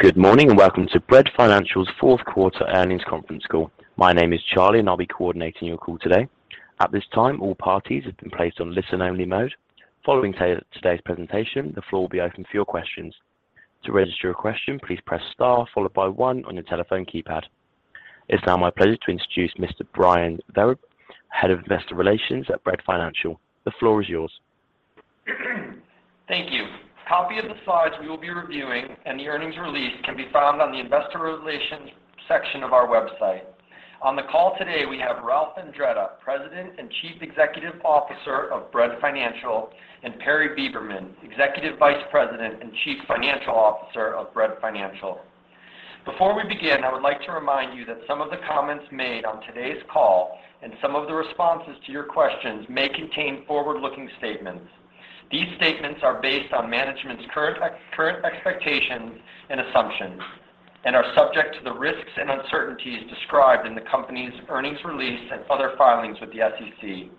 Good morning, welcome to Bread Financial's fourth quarter Earnings Conference Call. My name is Charlie. I'll be coordinating your call today. At this time, all parties have been placed on listen-only mode. Following today's presentation, the floor will be open for your questions. To register your question, please press star followed by one on your telephone keypad. It's now my pleasure to introduce Mr. Brian Vereb, Head of Investor Relations at Bread Financial. The floor is yours. Thank you. Copy of the slides we will be reviewing and the earnings release can be found on the investor relations section of our website. On the call today, we have Ralph Andretta, President and Chief Executive Officer of Bread Financial, and Perry Beberman, Executive Vice President and Chief Financial Officer of Bread Financial. Before we begin, I would like to remind you that some of the comments made on today's call and some of the responses to your questions may contain forward-looking statements. These statements are based on management's current expectations and assumptions and are subject to the risks and uncertainties described in the company's earnings release and other filings with the SEC.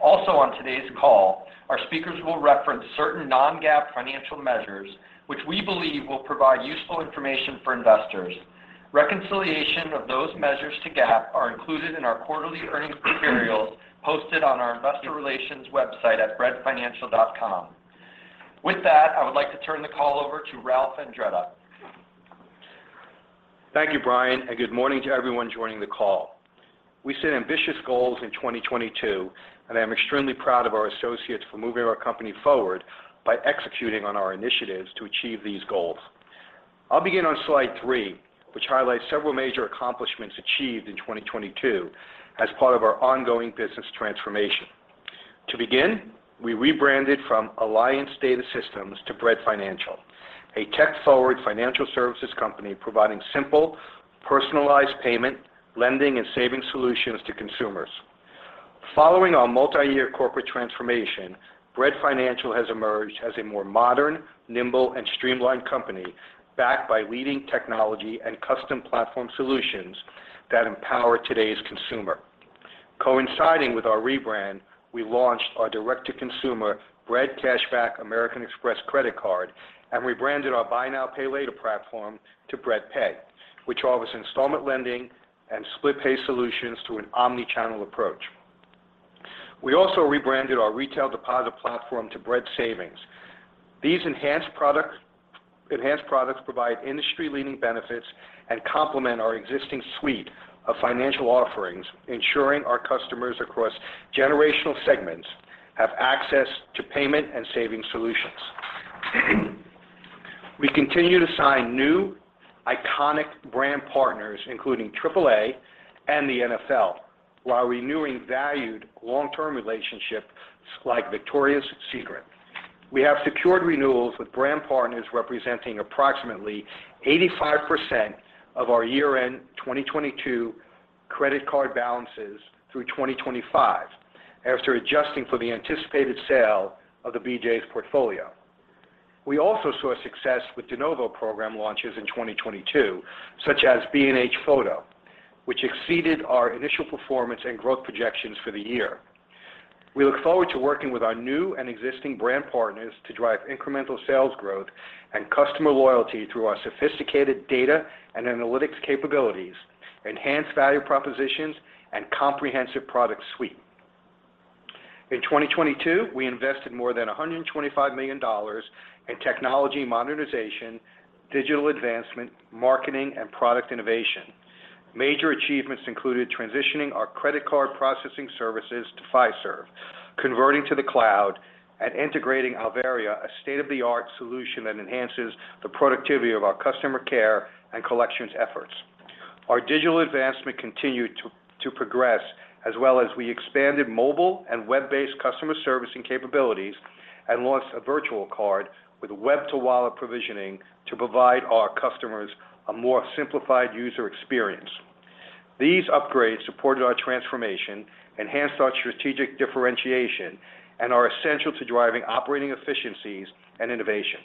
On today's call, our speakers will reference certain non-GAAP financial measures which we believe will provide useful information for investors. Reconciliation of those measures to GAAP are included in our quarterly earnings materials posted on our investor relations website at breadfinancial.com. With that, I would like to turn the call over to Ralph Andretta. Thank you, Brian. Good morning to everyone joining the call. We set ambitious goals in 2022, and I'm extremely proud of our associates for moving our company forward by executing on our initiatives to achieve these goals. I'll begin on slide three, which highlights several major accomplishments achieved in 2022 as part of our ongoing business transformation. To begin, we rebranded from Alliance Data Systems to Bread Financial, a tech-forward financial services company providing simple, personalized payment, lending, and saving solutions to consumers. Following our multi-year corporate transformation, Bread Financial has emerged as a more modern, nimble, and streamlined company backed by leading technology and custom platform solutions that empower today's consumer. Coinciding with our rebrand, we launched our direct-to-consumer Bread Cashback American Express credit card and rebranded our buy now, pay later platform to Bread Pay, which offers installment lending and split-pay solutions through an omni-channel approach. We also rebranded our retail deposit platform to Bread Savings. These enhanced products provide industry-leading benefits and complement our existing suite of financial offerings, ensuring our customers across generational segments have access to payment and saving solutions. We continue to sign new iconic brand partners, including AAA and the NFL, while renewing valued long-term relationships like Victoria's Secret. We have secured renewals with brand partners representing approximately 85% of our year-end 2022 credit card balances through 2025 after adjusting for the anticipated sale of the BJ's portfolio. We also saw success with de novo program launches in 2022, such as B&H Photo, which exceeded our initial performance and growth projections for the year. We look forward to working with our new and existing brand partners to drive incremental sales growth and customer loyalty through our sophisticated data and analytics capabilities, enhanced value propositions, and comprehensive product suite. In 2022, we invested more than $125 million in technology modernization, digital advancement, marketing, and product innovation. Major achievements included transitioning our credit card processing services to Fiserv, converting to the cloud, and integrating Alvaria, a state-of-the-art solution that enhances the productivity of our customer care and collections efforts. Our digital advancement continued to progress as well as we expanded mobile and web-based customer servicing capabilities and launched a virtual card with web-to-wallet provisioning to provide our customers a more simplified user experience. These upgrades supported our transformation, enhanced our strategic differentiation, and are essential to driving operating efficiencies and innovation.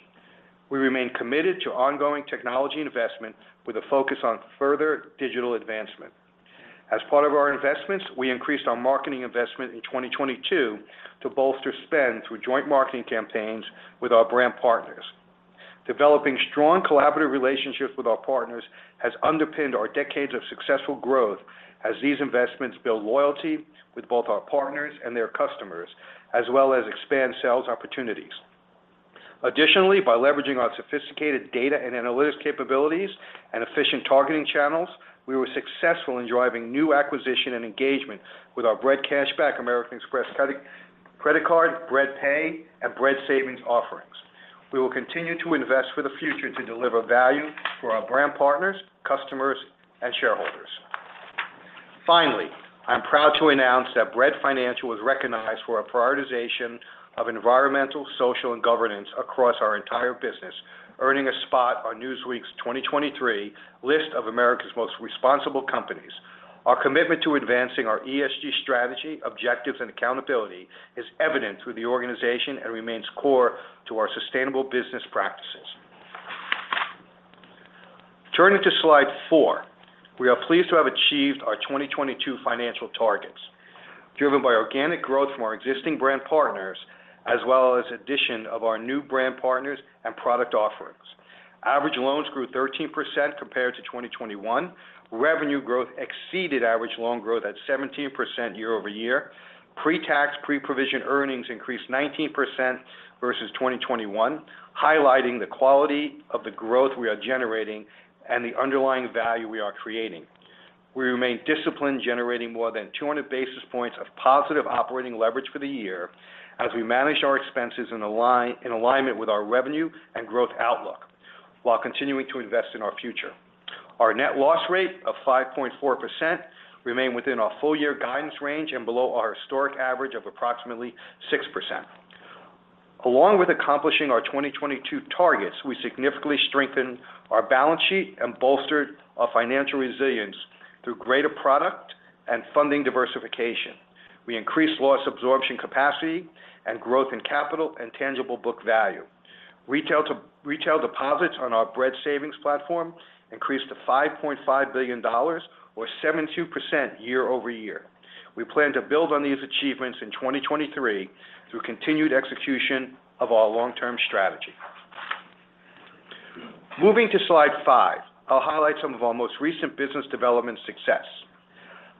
We remain committed to ongoing technology investment with a focus on further digital advancement. As part of our investments, we increased our marketing investment in 2022 to bolster spend through joint marketing campaigns with our brand partners. Developing strong collaborative relationships with our partners has underpinned our decades of successful growth as these investments build loyalty with both our partners and their customers, as well as expand sales opportunities. By leveraging our sophisticated data and analytics capabilities and efficient targeting channels, we were successful in driving new acquisition and engagement with our Bread Cashback American Express credit card, Bread Pay, and Bread Savings offerings. We will continue to invest for the future to deliver value for our brand partners, customers, and shareholders. Finally, I'm proud to announce that Bread Financial was recognized for our prioritization of environmental, social, and governance across our entire business, earning a spot on Newsweek's 2023 list of America's most responsible companies. Our commitment to advancing our ESG strategy, objectives, and accountability is evident through the organization and remains core to our sustainable business practices. Turning to slide four. We are pleased to have achieved our 2022 financial targets. Driven by organic growth from our existing brand partners, as well as addition of our new brand partners and product offerings. Average loans grew 13% compared to 2021. Revenue growth exceeded average loan growth at 17% year-over-year. Pre-tax, pre-provision earnings increased 19% versus 2021, highlighting the quality of the growth we are generating and the underlying value we are creating. We remain disciplined, generating more than 200 basis points of positive operating leverage for the year as we manage our expenses in alignment with our revenue and growth outlook while continuing to invest in our future. Our net loss rate of 5.4% remain within our full year guidance range and below our historic average of approximately 6%. Along with accomplishing our 2022 targets, we significantly strengthened our balance sheet and bolstered our financial resilience through greater product and funding diversification. We increased loss absorption capacity and growth in capital and tangible book value. Retail deposits on our Bread Savings platform increased to $5.5 billion or 72% year-over-year. We plan to build on these achievements in 2023 through continued execution of our long-term strategy. Moving to slide five, I'll highlight some of our most recent business development success.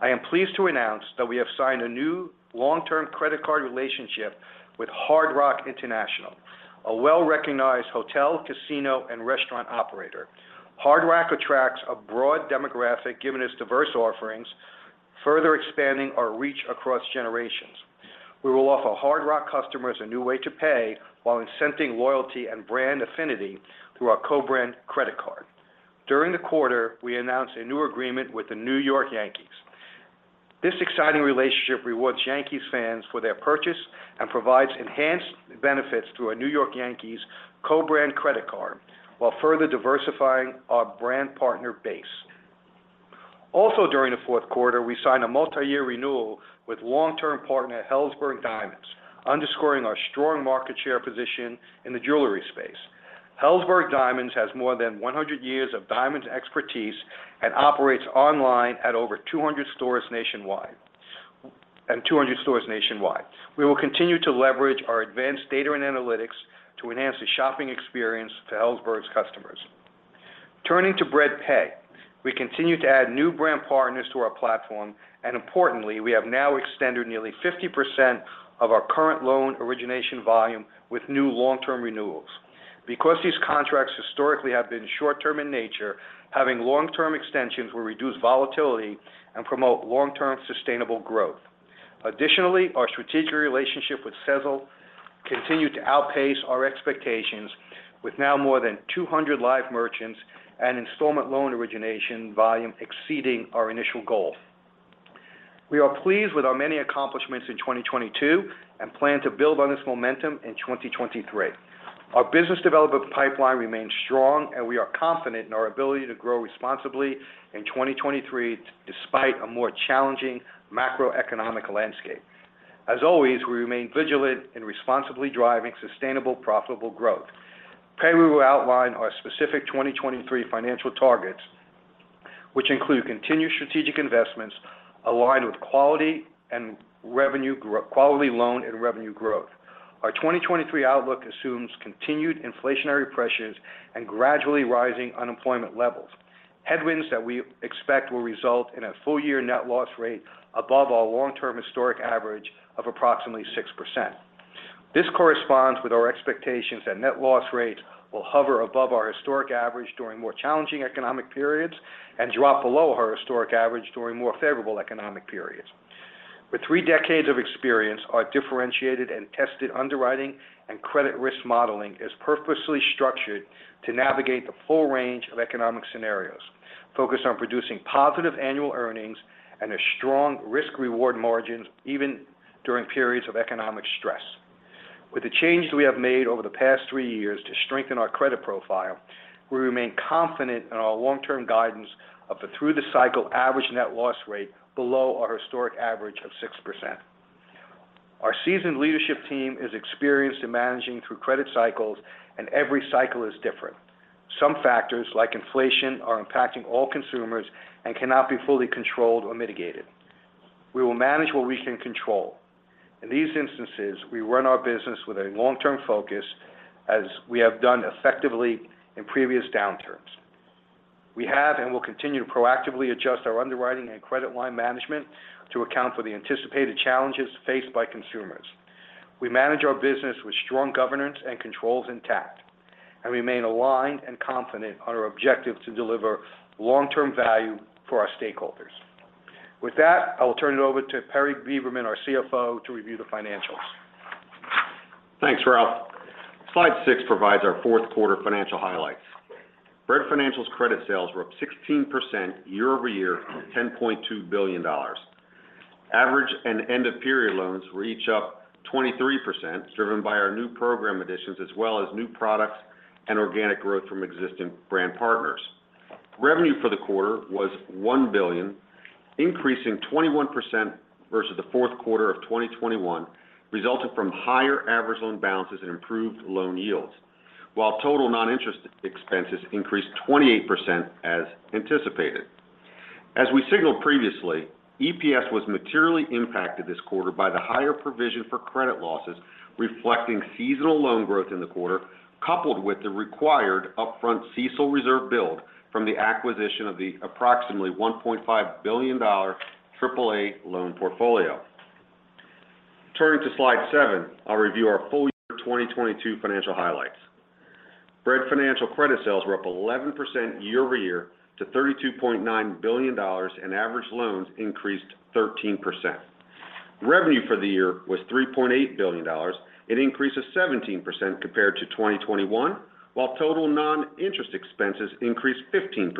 I am pleased to announce that we have signed a new long-term credit card relationship with Hard Rock International, a well-recognized hotel, casino, and restaurant operator. Hard Rock attracts a broad demographic given its diverse offerings, further expanding our reach across generations. We will offer Hard Rock customers a new way to pay while incenting loyalty and brand affinity through our co-brand credit card. During the quarter, we announced a new agreement with the New York Yankees. This exciting relationship rewards Yankees fans for their purchase and provides enhanced benefits through our New York Yankees co-brand credit card while further diversifying our brand partner base. Also during the fourth quarter, we signed a multi-year renewal with long-term partner Helzberg Diamonds, underscoring our strong market share position in the jewelry space. Helzberg Diamonds has more than 100 years of diamonds expertise and operates online at over 200 stores nationwide. We will continue to leverage our advanced data and analytics to enhance the shopping experience to Helzberg's customers. Turning to Bread Pay, we continue to add new brand partners to our platform, and importantly, we have now extended nearly 50% of our current loan origination volume with new long-term renewals. Because these contracts historically have been short-term in nature, having long-term extensions will reduce volatility and promote long-term sustainable growth. Additionally, our strategic relationship with Sezzle continued to outpace our expectations with now more than 200 live merchants and installment loan origination volume exceeding our initial goal. We are pleased with our many accomplishments in 2022 and plan to build on this momentum in 2023. Our business development pipeline remains strong. We are confident in our ability to grow responsibly in 2023 despite a more challenging macroeconomic landscape. As always, we remain vigilant in responsibly driving sustainable, profitable growth. Today we will outline our specific 2023 financial targets which include continued strategic investments aligned with quality loan and revenue growth. Our 2023 outlook assumes continued inflationary pressures and gradually rising unemployment levels. Headwinds that we expect will result in a full-year net loss rate above our long-term historic average of approximately 6%. This corresponds with our expectations that net loss rates will hover above our historic average during more challenging economic periods and drop below our historic average during more favorable economic periods. With three decades of experience, our differentiated and tested underwriting and credit risk modeling is purposely structured to navigate the full range of economic scenarios focused on producing positive annual earnings and a strong risk-reward margin even during periods of economic stress. With the changes we have made over the past three years to strengthen our credit profile, we remain confident in our long-term guidance of the through the cycle average net loss rate below our historic average of 6%. Our seasoned leadership team is experienced in managing through credit cycles, and every cycle is different. Some factors, like inflation, are impacting all consumers and cannot be fully controlled or mitigated. We will manage what we can control. In these instances, we run our business with a long-term focus as we have done effectively in previous downturns. We have and will continue to proactively adjust our underwriting and credit line management to account for the anticipated challenges faced by consumers. We manage our business with strong governance and controls intact, and remain aligned and confident on our objective to deliver long-term value for our stakeholders. With that, I will turn it over to Perry Beberman, our CFO, to review the financials. Thanks, Ralph. Slide six provides our fourth quarter financial highlights. Bread Financial's credit sales were up 16% year-over-year from $10.2 billion. Average and end-of-period loans were each up 23%, driven by our new program additions as well as new products and organic growth from existing brand partners. Revenue for the quarter was $1 billion, increasing 21% versus the fourth quarter of 2021, resulted from higher average loan balances and improved loan yields. Total non-interest expenses increased 28% as anticipated. As we signaled previously, EPS was materially impacted this quarter by the higher provision for credit losses, reflecting seasonal loan growth in the quarter, coupled with the required upfront CECL reserve build from the acquisition of the approximately $1.5 billion AAA loan portfolio. Turning to slide seven, I'll review our full year 2022 financial highlights. Bread Financial credit sales were up 11% year-over-year to $32.9 billion, and average loans increased 13%. Revenue for the year was $3.8 billion. It increases 17% compared to 2021, while total non-interest expenses increased 15%,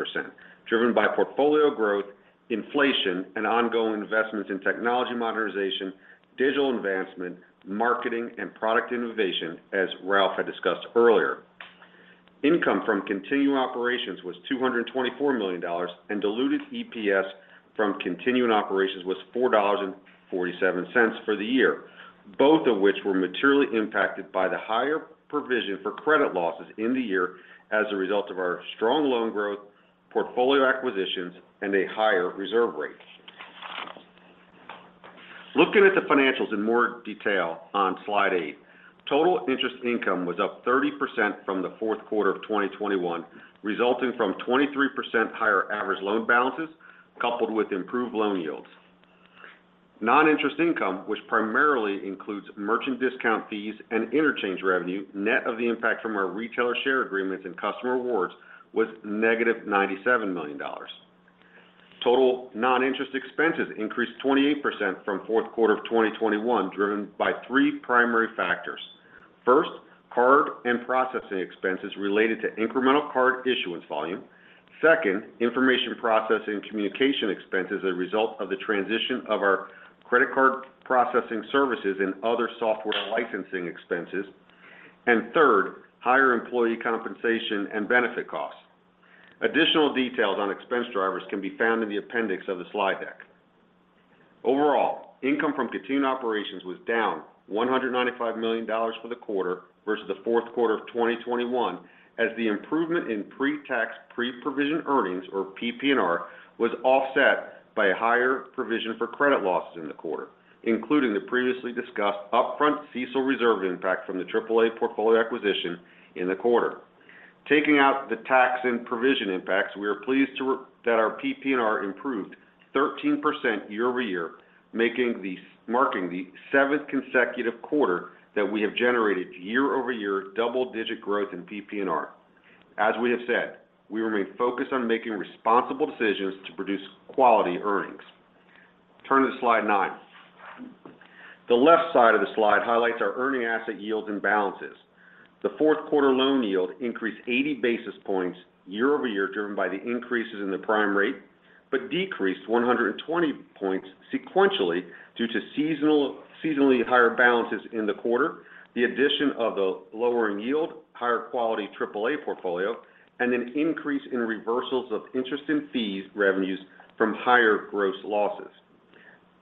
driven by portfolio growth, inflation and ongoing investments in technology modernization, digital advancement, marketing, and product innovation as Ralph had discussed earlier. Income from continuing operations was $224 million, and diluted EPS from continuing operations was $4.47 for the year, both of which were materially impacted by the higher provision for credit losses in the year as a result of our strong loan growth, portfolio acquisitions and a higher reserve rate. Looking at the financials in more detail on Slide eight. Total interest income was up 30% from the fourth quarter of 2021, resulting from 23% higher average loan balances coupled with improved loan yields. Non-interest income, which primarily includes merchant discount fees and interchange revenue, net of the impact from our retailer share agreements and customer awards, was -$97 million. Total non-interest expenses increased 28% from fourth quarter of 2021, driven by three primary factors. First, card and processing expenses related to incremental card issuance volume. Second, information processing communication expenses as a result of the transition of our credit card processing services and other software licensing expenses. Third, higher employee compensation and benefit costs. Additional details on expense drivers can be found in the appendix of the slide deck. Overall, income from continuing operations was down $195 million for the quarter versus the fourth quarter of 2021, as the improvement in pre-tax, pre-provision earnings, or PPNR, was offset by a higher provision for credit losses in the quarter, including the previously discussed upfront CECL reserve impact from the AAA portfolio acquisition in the quarter. Taking out the tax and provision impacts, we are pleased that our PPNR improved 13% year-over-year, marking the seventh consecutive quarter that we have generated year-over-year double-digit growth in PPNR. As we have said, we remain focused on making responsible decisions to produce quality earnings. Turn to slide nine. The left side of the slide highlights our earning asset yields and balances. The fourth quarter loan yield increased 80 basis points year-over-year, driven by the increases in the prime rate, but decreased 120 points sequentially due to seasonally higher balances in the quarter, the addition of a lower yield, higher quality AAA portfolio, and an increase in reversals of interest and fees revenues from higher gross losses.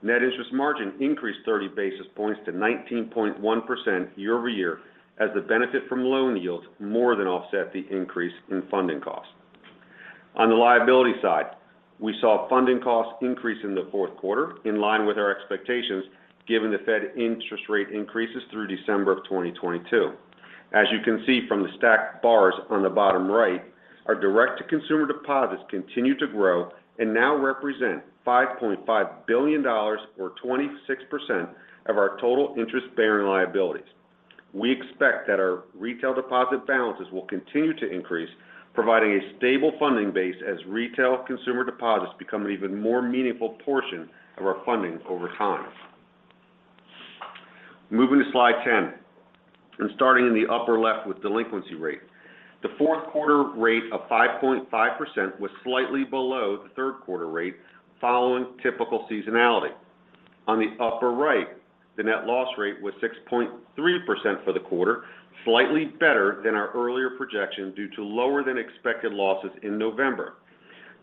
Net interest margin increased 30 basis points to 19.1% year-over-year, as the benefit from loan yields more than offset the increase in funding costs. On the liability side, we saw funding costs increase in the fourth quarter, in line with our expectations, given the Fed interest rate increases through December of 2022. As you can see from the stacked bars on the bottom right, our direct-to-consumer deposits continue to grow and now represent $5.5 billion or 26% of our total interest-bearing liabilities. We expect that our retail deposit balances will continue to increase, providing a stable funding base as retail consumer deposits become an even more meaningful portion of our funding over time. Moving to slide 10 and starting in the upper left with delinquency rate. The fourth quarter rate of 5.5% was slightly below the third quarter rate following typical seasonality. On the upper right, the net loss rate was 6.3% for the quarter, slightly better than our earlier projection due to lower than expected losses in November.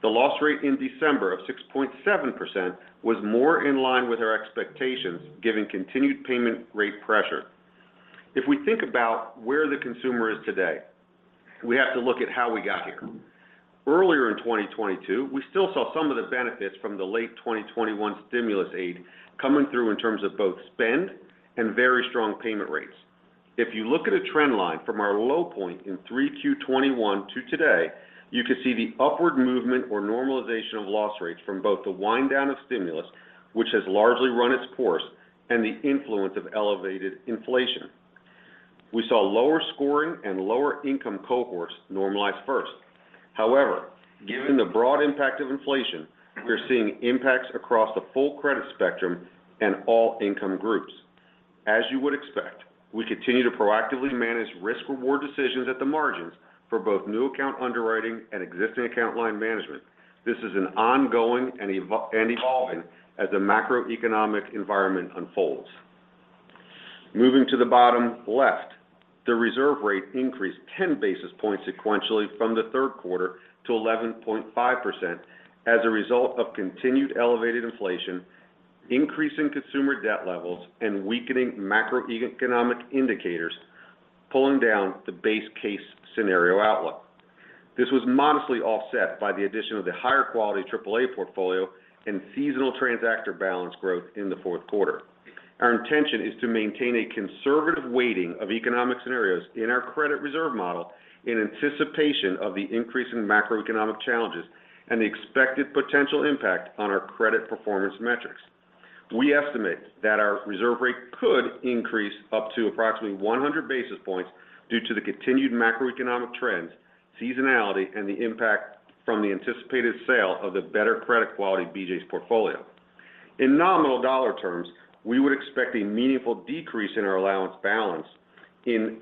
The loss rate in December of 6.7% was more in line with our expectations, given continued payment rate pressure. If we think about where the consumer is today, we have to look at how we got here. Earlier in 2022, we still saw some of the benefits from the late 2021 stimulus aid coming through in terms of both spend and very strong payment rates. If you look at a trend line from our low point in 3Q 21 to today, you can see the upward movement or normalization of loss rates from both the wind down of stimulus, which has largely run its course, and the influence of elevated inflation. We saw lower scoring and lower income cohorts normalize first. However, given the broad impact of inflation, we're seeing impacts across the full credit spectrum and all income groups. As you would expect, we continue to proactively manage risk reward decisions at the margins for both new account underwriting and existing account line management. This is an ongoing and evolving as the macroeconomic environment unfolds. Moving to the bottom left, the reserve rate increased 10 basis points sequentially from the third quarter to 11.5% as a result of continued elevated inflation, increasing consumer debt levels and weakening macroeconomic indicators pulling down the base case scenario outlook. This was modestly offset by the addition of the higher-quality AAA portfolio and seasonal transactor balance growth in the fourth quarter. Our intention is to maintain a conservative weighting of economic scenarios in our credit reserve model in anticipation of the increase in macroeconomic challenges and the expected potential impact on our credit performance metrics. We estimate that our reserve rate could increase up to approximately 100 basis points due to the continued macroeconomic trends, seasonality, and the impact from the anticipated sale of the better credit quality BJ's portfolio. In nominal dollar terms, we would expect a meaningful decrease in our allowance balance and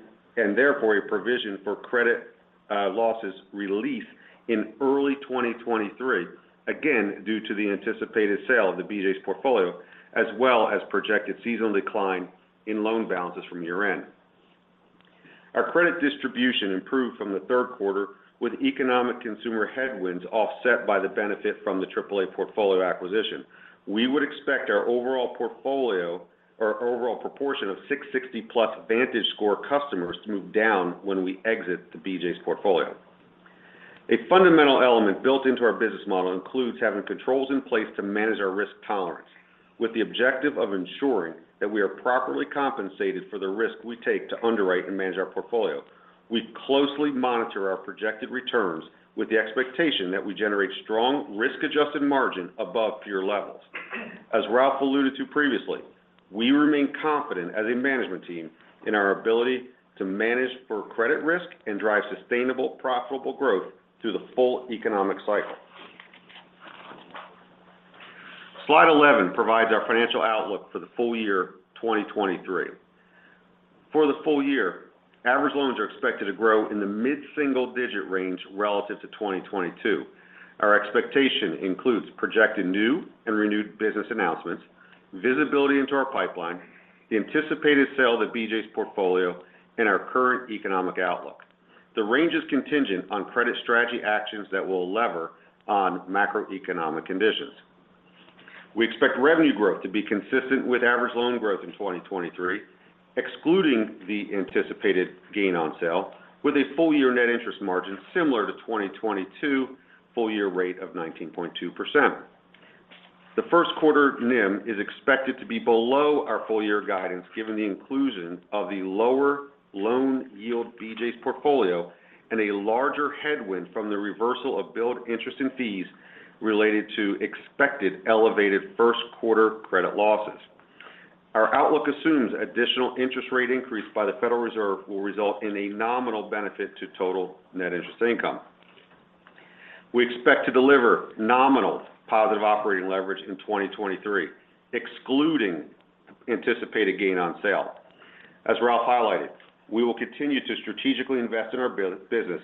therefore a provision for credit losses relief in early 2023, again, due to the anticipated sale of the BJ's portfolio, as well as projected seasonal decline in loan balances from year-end. Our credit distribution improved from the third quarter with economic consumer headwinds offset by the benefit from the AAA portfolio acquisition. We would expect our overall proportion of 660-plus VantageScore customers to move down when we exit the BJ's portfolio. A fundamental element built into our business model includes having controls in place to manage our risk tolerance with the objective of ensuring that we are properly compensated for the risk we take to underwrite and manage our portfolio. We closely monitor our projected returns with the expectation that we generate strong risk-adjusted margin above peer levels. As Ralph alluded to previously, we remain confident as a management team in our ability to manage for credit risk and drive sustainable, profitable growth through the full economic cycle. Slide 11 provides our financial outlook for the full year 2023. For the full year, average loans are expected to grow in the mid-single-digit range relative to 2022. Our expectation includes projected new and renewed business announcements, visibility into our pipeline, the anticipated sale of the BJ's portfolio, and our current economic outlook. The range is contingent on credit strategy actions that will lever on macroeconomic conditions. We expect revenue growth to be consistent with average loan growth in 2023, excluding the anticipated gain on sale with a full-year net interest margin similar to 2022 full-year rate of 19.2%. The first quarter NIM is expected to be below our full-year guidance, given the inclusion of the lower loan yield BJ's portfolio and a larger headwind from the reversal of billed interest and fees related to expected elevated first quarter credit losses. Our outlook assumes additional interest rate increase by the Federal Reserve will result in a nominal benefit to total net interest income. We expect to deliver nominal positive operating leverage in 2023, excluding anticipated gain on sale. As Ralph highlighted, we will continue to strategically invest in our business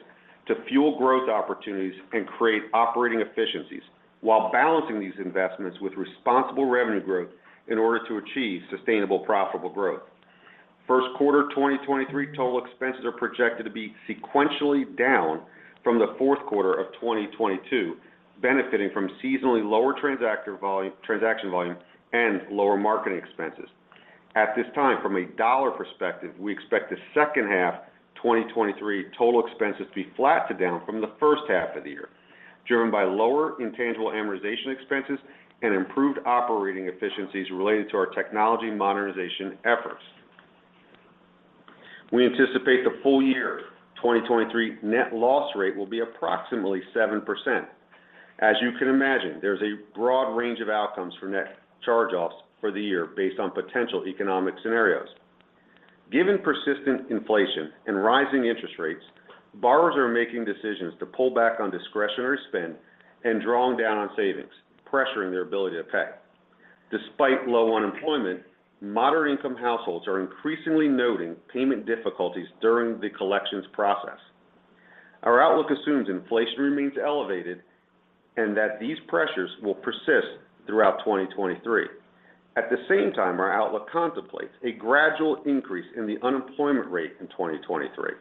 to fuel growth opportunities and create operating efficiencies while balancing these investments with responsible revenue growth in order to achieve sustainable, profitable growth. First quarter 2023 total expenses are projected to be sequentially down from the fourth quarter of 2022, benefiting from seasonally lower transaction volume and lower marketing expenses. At this time, from a dollar perspective, we expect the second half 2023 total expenses to be flat to down from the first half of the year, driven by lower intangible amortization expenses and improved operating efficiencies related to our technology modernization efforts. We anticipate the full year 2023 net loss rate will be approximately 7%. As you can imagine, there's a broad range of outcomes for net charge-offs for the year based on potential economic scenarios. Given persistent inflation and rising interest rates, borrowers are making decisions to pull back on discretionary spend and drawing down on savings, pressuring their ability to pay. Despite low unemployment, moderate-income households are increasingly noting payment difficulties during the collections process. Our outlook assumes inflation remains elevated and that these pressures will persist throughout 2023. At the same time, our outlook contemplates a gradual increase in the unemployment rate in 2023.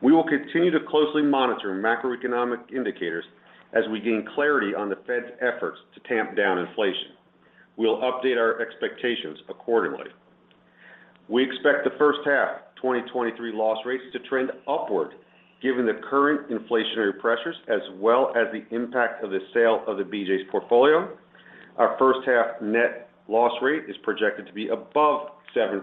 We will continue to closely monitor macroeconomic indicators as we gain clarity on the Fed's efforts to tamp down inflation. We will update our expectations accordingly. We expect the first half 2023 loss rates to trend upward given the current inflationary pressures as well as the impact of the sale of the BJ's portfolio. Our first half net loss rate is projected to be above 7%,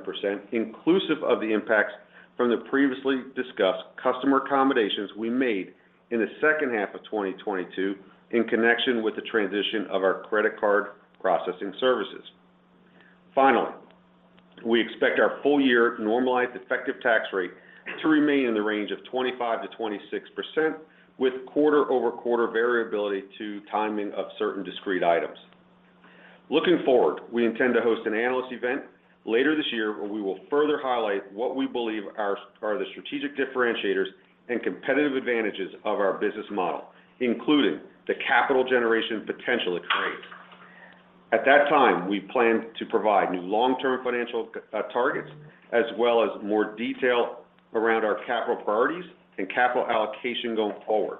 inclusive of the impacts from the previously discussed customer accommodations we made in the second half of 2022 in connection with the transition of our credit card processing services. Finally, we expect our full-year normalized effective tax rate to remain in the range of 25%-26% with quarter-over-quarter variability to timing of certain discrete items. Looking forward, we intend to host an analyst event later this year where we will further highlight what we believe are the strategic differentiators and competitive advantages of our business model, including the capital generation potential it creates. At that time, we plan to provide new long-term financial targets as well as more detail around our capital priorities and capital allocation going forward.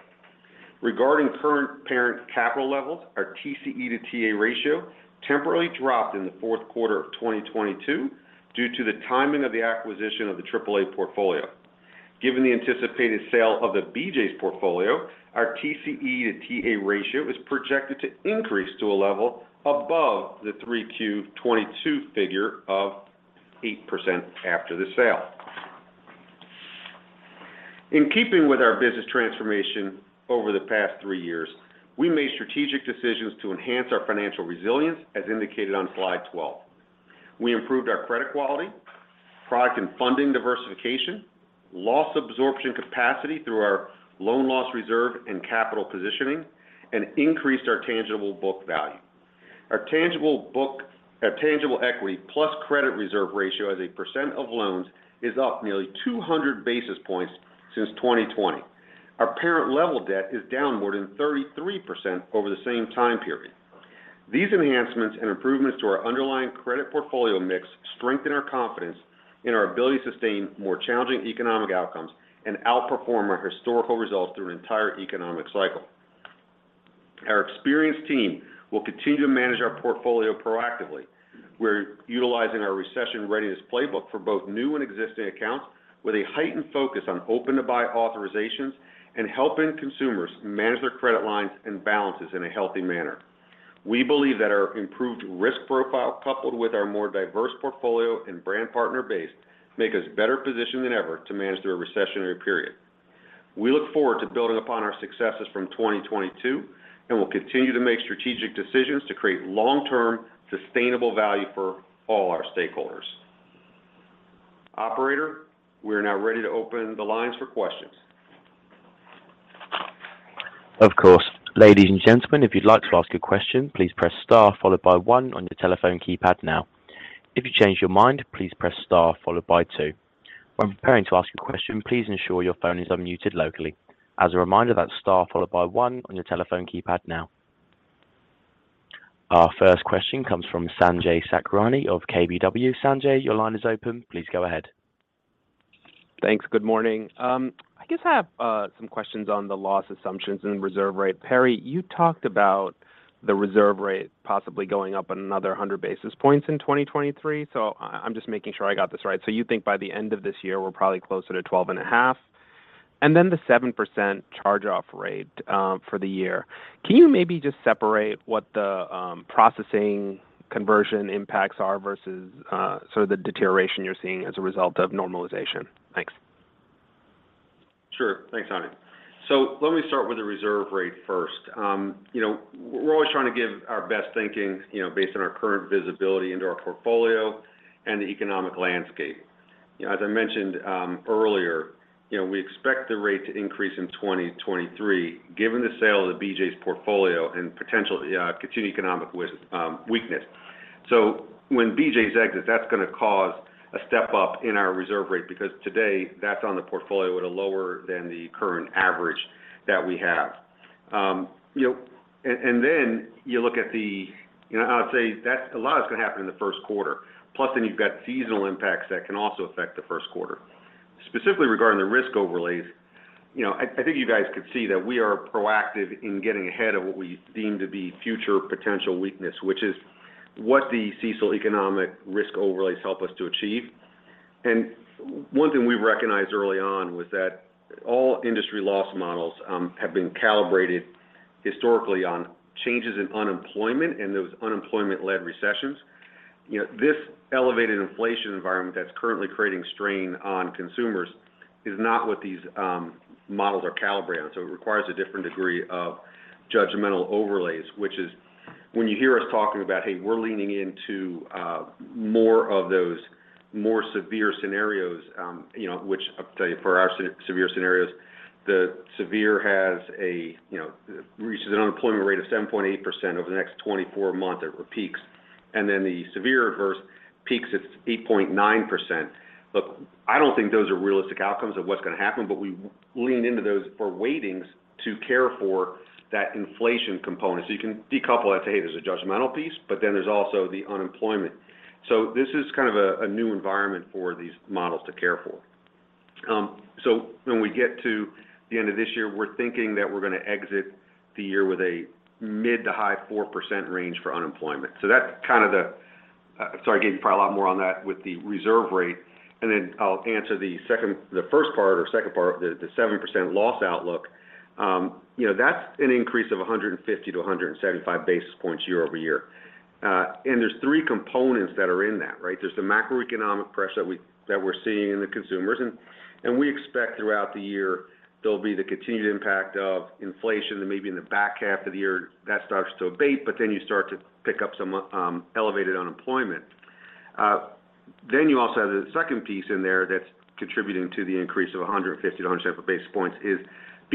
Regarding current parent capital levels, our TCE to TA ratio temporarily dropped in the fourth quarter of 2022 due to the timing of the acquisition of the AAA portfolio. Given the anticipated sale of the BJ's portfolio, our TCE to TA ratio is projected to increase to a level above the 3Q 2022 figure of 8% after the sale. In keeping with our business transformation over the past three years, we made strategic decisions to enhance our financial resilience as indicated on slide 12. We improved our credit quality, product and funding diversification, loss absorption capacity through our loan loss reserve and capital positioning, and increased our tangible book value. Our tangible equity plus credit reserve ratio as a percent of loans is up nearly 200 basis points since 2020. Our parent level debt is downward in 33% over the same time period. These enhancements and improvements to our underlying credit portfolio mix strengthen our confidence in our ability to sustain more challenging economic outcomes and outperform our historical results through an entire economic cycle. Our experienced team will continue to manage our portfolio proactively. We're utilizing our recession readiness playbook for both new and existing accounts with a heightened focus on open-to-buy authorizations and helping consumers manage their credit lines and balances in a healthy manner. We believe that our improved risk profile, coupled with our more diverse portfolio and brand partner base, make us better positioned than ever to manage through a recessionary period. We look forward to building upon our successes from 2022, and we'll continue to make strategic decisions to create long-term sustainable value for all our stakeholders. Operator, we're now ready to open the lines for questions. Of course. Ladies and gentlemen, if you'd like to ask a question, please press star followed by one on your telephone keypad now. If you change your mind, please press star followed by two. When preparing to ask a question, please ensure your phone is unmuted locally. As a reminder, that's star followed by one on your telephone keypad now. Our first question comes from Sanjay Sakhrani of KBW. Sanjay, your line is open. Please go ahead. Thanks. Good morning. I guess I have some questions on the loss assumptions and reserve rate. Perry, you talked about the reserve rate possibly going up another 100 basis points in 2023. I'm just making sure I got this right. You think by the end of this year, we're probably closer to 12.5%. Then the 7% charge-off rate for the year. Can you maybe just separate what the processing conversion impacts are versus sort of the deterioration you're seeing as a result of normalization? Thanks. Sure. Thanks, Sanjay. Let me start with the reserve rate first. you know, we're always trying to give our best thinking, you know, based on our current visibility into our portfolio and the economic landscape. You know, as I mentioned earlier, you know, we expect the rate to increase in 2023 given the sale of the BJ's portfolio and potential continued economic weakness. When BJ's exits, that's gonna cause a step-up in our reserve rate because today that's on the portfolio at a lower than the current average that we have. you know, You know, I'd say a lot is gonna happen in the first quarter. You've got seasonal impacts that can also affect the first quarter. Specifically regarding the risk overlays, you know, I think you guys could see that we are proactive in getting ahead of what we deem to be future potential weakness, which is what the CECL economic risk overlays help us to achieve. One thing we recognized early on was that all industry loss models have been calibrated historically on changes in unemployment and those unemployment-led recessions. You know, this elevated inflation environment that's currently creating strain on consumers is not what these models are calibrated. It requires a different degree of judgmental overlays, which is when you hear us talking about, "Hey, we're leaning into more of those more severe scenarios," which I'll tell you for our severe scenarios, the severe has a, you know, reaches an unemployment rate of 7.8% over the next 24 month at peaks. The severe adverse peaks at 8.9%. Look, I don't think those are realistic outcomes of what's gonna happen, but we lean into those for weightings to care for that inflation component. You can decouple that to, hey, there's a judgmental piece, there's also the unemployment. This is kind of a new environment for these models to care for. When we get to the end of this year, we're thinking that we're gonna exit the year with a mid to high 4% range for unemployment. That's kind of. Sorry, I gave you probably a lot more on that with the reserve rate. I'll answer the first part or second part, the 7% loss outlook. You know, that's an increase of 150 to 175 basis points year-over-year. There's three components that are in that, right? There's the macroeconomic pressure that we're seeing in the consumers. We expect throughout the year, there'll be the continued impact of inflation, and maybe in the back half of the year that starts to abate, you start to pick up some, elevated unemployment. You also have the second piece in there that's contributing to the increase of 150 to 175 basis points is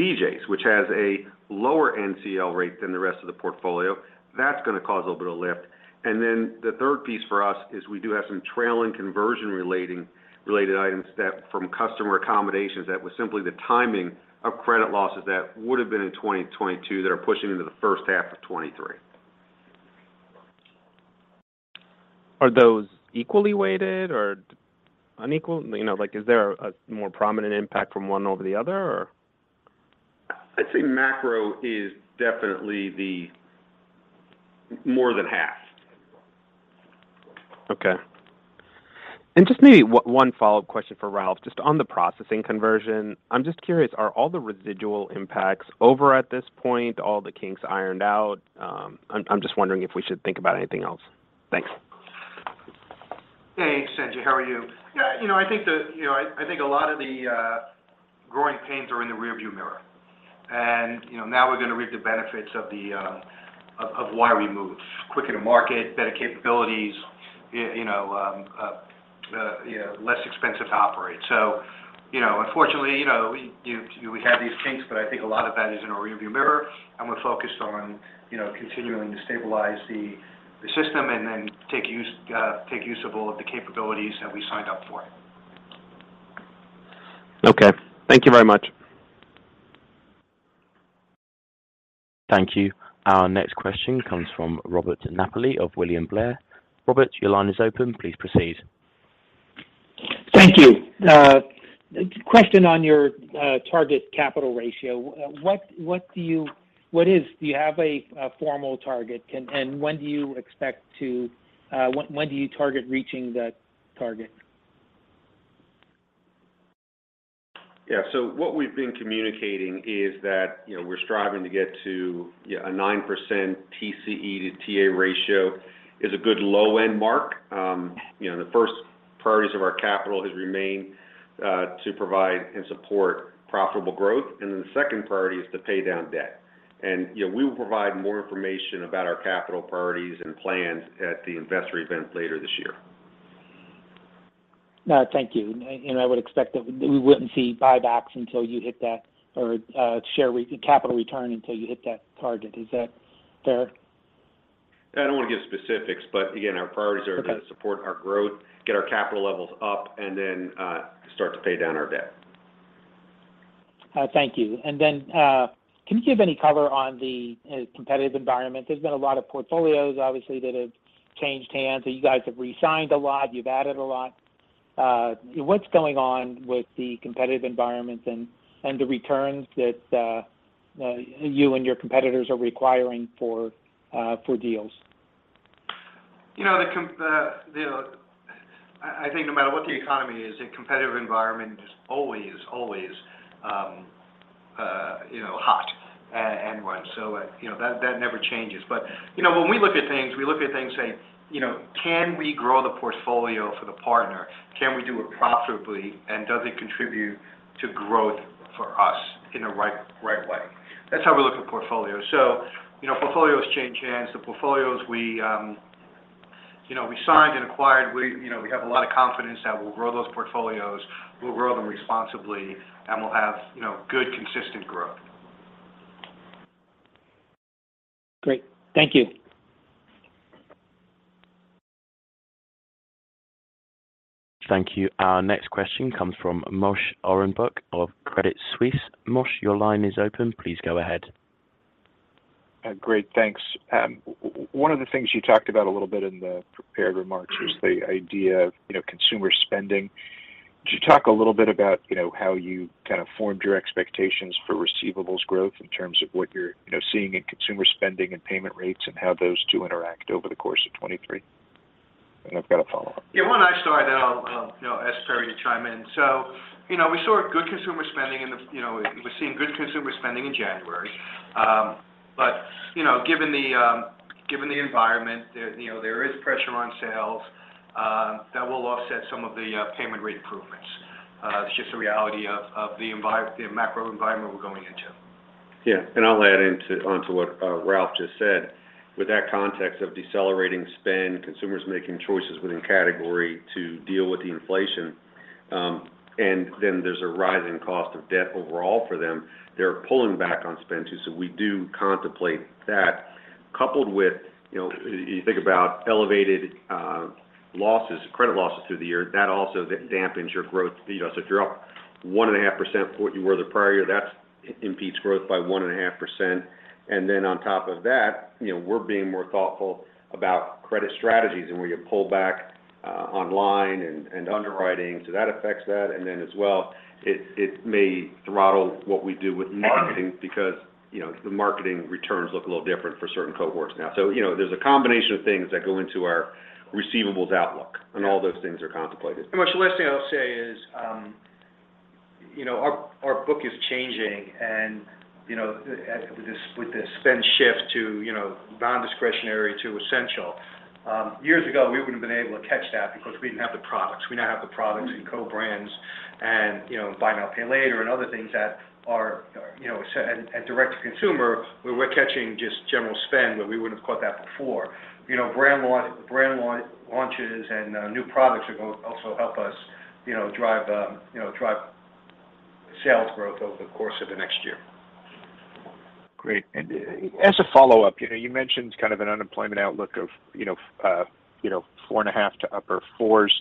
BJ's, which has a lower NCL rate than the rest of the portfolio. That's gonna cause a little bit of lift. Then the third piece for us is we do have some trailing conversion related items that from customer accommodations, that was simply the timing of credit losses that would have been in 2022 that are pushing into the first half of 2023. Are those equally weighted or unequal? You know, like, is there a more prominent impact from one over the other or... I'd say macro is definitely the more than half. Okay. Just maybe one follow-up question for Ralph, just on the processing conversion. I'm just curious, are all the residual impacts over at this point, all the kinks ironed out? I'm just wondering if we should think about anything else. Thanks. Hey, Sanjay. How are you? Yeah, you know, I think. You know, I think a lot of the growing pains are in the rearview mirror. You know, now we're gonna reap the benefits of the of why we moved. Quicker to market, better capabilities, you know, less expensive to operate. You know, unfortunately, you know, we, you, we had these kinks, but I think a lot of that is in our rearview mirror, and we're focused on, you know, continuing to stabilize the system and then take use of all of the capabilities that we signed up for. Okay. Thank you very much. Thank you. Our next question comes from Robert Napoli of William Blair. Robert, your line is open. Please proceed. Thank you. A question on your target capital ratio. What do you have a formal target? When do you target reaching that target? Yeah. What we've been communicating is that, you know, we're striving to get to, yeah, a 9% TCE to TA ratio is a good low-end mark. You know, the first priorities of our capital has remained to provide and support profitable growth, and then the second priority is to pay down debt. You know, we will provide more information about our capital priorities and plans at the investor event later this year. Thank you. I would expect that we wouldn't see buybacks until you hit that or capital return until you hit that target. Is that fair? I don't want to give specifics, but again, our priorities are- Okay... to support our growth, get our capital levels up, and then, start to pay down our debt. Thank you. Can you give any color on the competitive environment? There's been a lot of portfolios, obviously, that have changed hands. You guys have resigned a lot, you've added a lot. What's going on with the competitive environment and the returns that you and your competitors are requiring for deals? You know, I think no matter what the economy is, the competitive environment is always, you know, hot and wide. You know, that never changes. You know, when we look at things, we look at things saying, you know, "Can we grow the portfolio for the partner? Can we do it profitably, and does it contribute to growth for us in a right way?" That's how we look at portfolios. You know, portfolios change hands. The portfolios we, you know, we signed and acquired, we, you know, we have a lot of confidence that we'll grow those portfolios, we'll grow them responsibly, and we'll have, you know, good, consistent growth. Great. Thank you. Thank you. Our next question comes from Moshe Orenbuch of Credit Suisse. Moshe, your line is open. Please go ahead. Great. Thanks. One of the things you talked about a little bit in the prepared remarks was the idea of, you know, consumer spending. Could you talk a little bit about, you know, how you kind of formed your expectations for receivables growth in terms of what you're, you know, seeing in consumer spending and payment rates and how those two interact over the course of 23? I've got a follow-up. Yeah. Why don't I start, and I'll, you know, ask Perry to chime in. You know, we're seeing good consumer spending in January. You know, given the given the environment, you know, there is pressure on sales, that will offset some of the payment rate improvements. It's just the reality of the macro environment we're going into. Yeah. I'll add onto what Ralph just said. With that context of decelerating spend, consumers making choices within category to deal with the inflation, and then there's a rising cost of debt overall for them. They're pulling back on spend, too, so we do contemplate that. Coupled with, you know, you think about elevated losses, credit losses through the year. That also dampens your growth. You know, if you're up 1.5% from what you were the prior year, that impedes growth by 1.5%. On top of that, you know, we're being more thoughtful about credit strategies and where you pull back online and underwriting, so that affects that. As well, it may throttle what we do with marketing because, you know, the marketing returns look a little different for certain cohorts now. You know, there's a combination of things that go into our receivables outlook, and all those things are contemplated. Moshe, the last thing I'll say is, you know, our book is changing and, you know, with this spend shift to, you know, non-discretionary to essential. Years ago, we wouldn't have been able to catch that because we didn't have the products. We now have the products and co-brands and, you know, buy now, pay later and other things that are, you know. Direct to consumer, where we're catching just general spend where we wouldn't have caught that before. You know, brand launches and new products also help us, you know, drive, you know, drive sales growth over the course of the next year. Great. As a follow-up, you know, you mentioned kind of an unemployment outlook of, you know, 4.5 to upper 4s.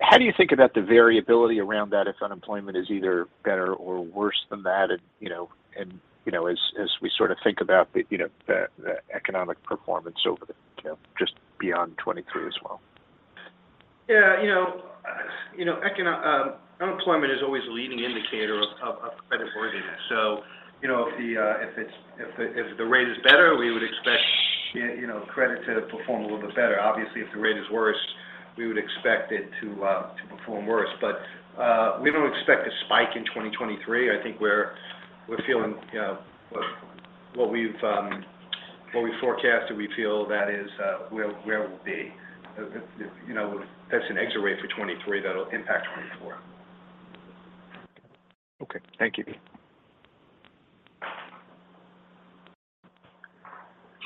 How do you think about the variability around that if unemployment is either better or worse than that and, you know, as we sort of think about the, you know, the economic performance over the, you know, just beyond 2023 as well? Yeah. You know, unemployment is always a leading indicator of creditworthiness. You know, if the rate is better, we would expect, you know, credit to perform a little bit better. Obviously, if the rate is worse, we would expect it to perform worse. We don't expect a spike in 2023. I think we're feeling, you know, what we've what we forecast, and we feel that is where we'll be. You know, that's an X-ray for 2023 that'll impact 2024. Okay. Thank you.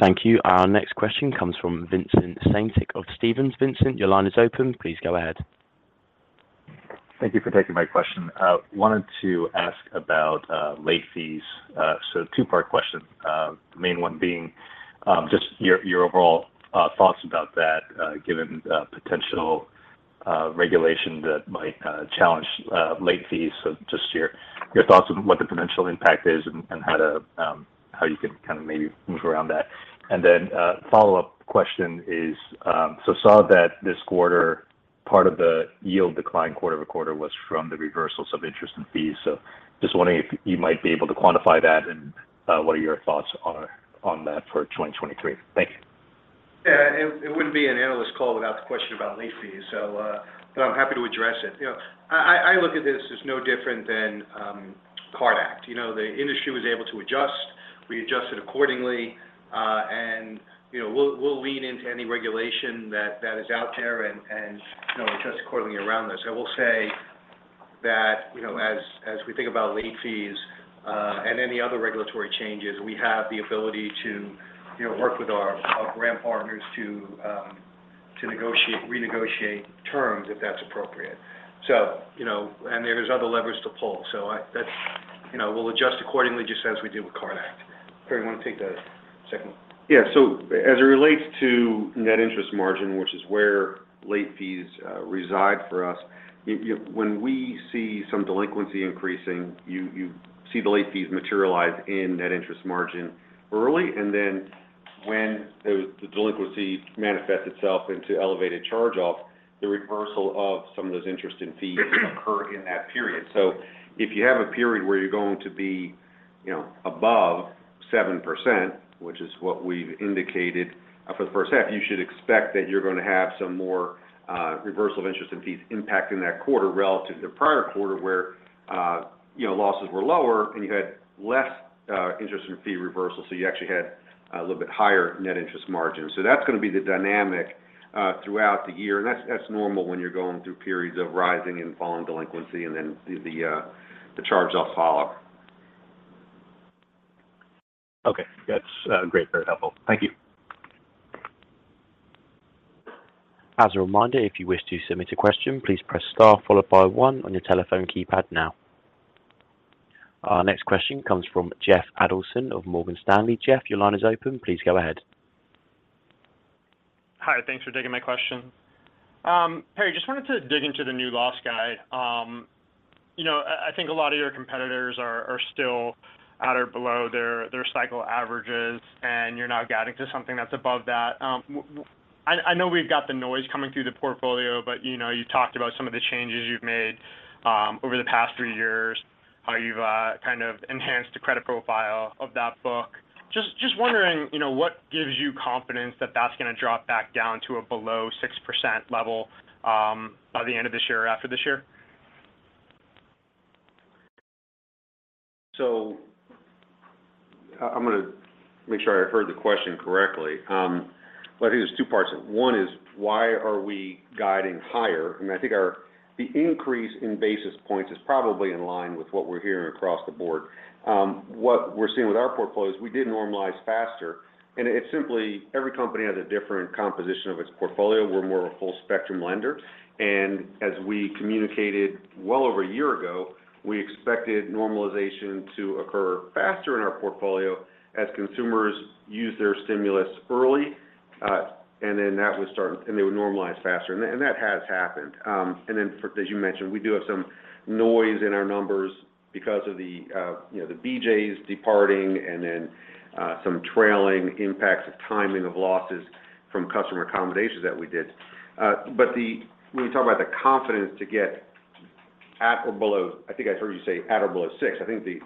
Thank you. Our next question comes from Vincent Caintic of Stephens. Vincent, your line is open. Please go ahead. Thank you for taking my question. Wanted to ask about late fees. Two-part question. The main one being just your overall thoughts about that given potential regulation that might challenge late fees. Just your thoughts on what the potential impact is and how you can kind of maybe move around that. A follow-up question is saw that this quarter, part of the yield decline quarter-over-quarter was from the reversals of interest and fees. Just wondering if you might be able to quantify that and what are your thoughts are on that for 2023? Thank you. Yeah. It wouldn't be an analyst call without the question about late fees. I'm happy to address it. You know, I look at this as no different than CARD Act. You know, the industry was able to adjust, we adjusted accordingly, and, you know, we'll lean into any regulation that is out there, and, you know, adjust accordingly around this. I will say that, you know, as we think about late fees, and any other regulatory changes, we have the ability to, you know, work with our brand partners to renegotiate terms if that's appropriate. You know, there's other levers to pull. That's, you know, we'll adjust accordingly just as we did with CARD Act. Perry, wanna take that second one? Yeah. As it relates to net interest margin, which is where late fees reside for us, when we see some delinquency increasing, you see the late fees materialize in net interest margin early. When the delinquency manifests itself into elevated charge-off, the reversal of some of those interest and fees occur in that period. If you have a period where you're going to be, you know, above 7%, which is what we've indicated for the first half, you should expect that you're going to have some more reversal of interest and fees impact in that quarter relative to prior quarter, where, you know, losses were lower and you had less interest and fee reversal, so you actually had a little bit higher net interest margin. That's going to be the dynamic throughout the year. That's normal when you're going through periods of rising and falling delinquency and then the charge-off follow. Okay. That's great. Very helpful. Thank you. As a reminder, if you wish to submit a question, please press star followed by one on your telephone keypad now. Our next question comes from Jeff Adelson of Morgan Stanley. Jeff, your line is open. Please go ahead. Hi. Thanks for taking my question. Perry, just wanted to dig into the new loss guide. I think a lot of your competitors are still at or below their cycle averages, and you're now guiding to something that's above that. I know we've got the noise coming through the portfolio, but, you know, you talked about some of the changes you've made over the past three years, how you've kind of enhanced the credit profile of that book. Just wondering, you know, what gives you confidence that that's going to drop back down to a below 6% level by the end of this year or after this year? I'm gonna make sure I heard the question correctly. I think there's two parts. One is why are we guiding higher? I think the increase in basis points is probably in line with what we're hearing across the board. What we're seeing with our portfolios, we did normalize faster. It's simply every company has a different composition of its portfolio. We're more a full-spectrum lender. As we communicated well over a year ago, we expected normalization to occur faster in our portfolio as consumers use their stimulus early, and then they would normalize faster. That has happened. As you mentioned, we do have some noise in our numbers because of the, you know, the BJ's departing and then some trailing impacts of timing of losses from customer accommodations that we did. When you talk about the confidence to get at or below, I think I heard you say at or below six, I think the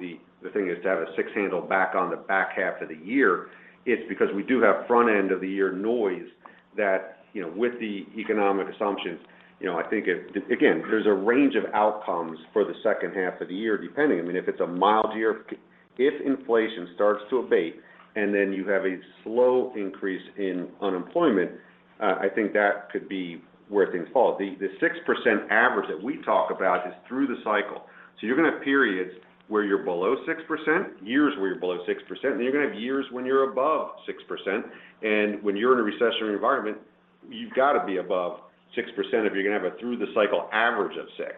thing is to have a six handle back on the back half of the year, it's because we do have front end of the year noise that, you know, with the economic assumptions, I think again, there's a range of outcomes for the second half of the year, depending. I mean, if it's a mild year, if inflation starts to abate, and then you have a slow increase in unemployment, I think that could be where things fall. The, the 6% average that we talk about is through the cycle. You're going to have periods where you're below 6%, years where you're below 6%, then you're going to have years when you're above 6%. When you're in a recessionary environment, you've got to be above 6% if you're going to have a through the cycle average of six.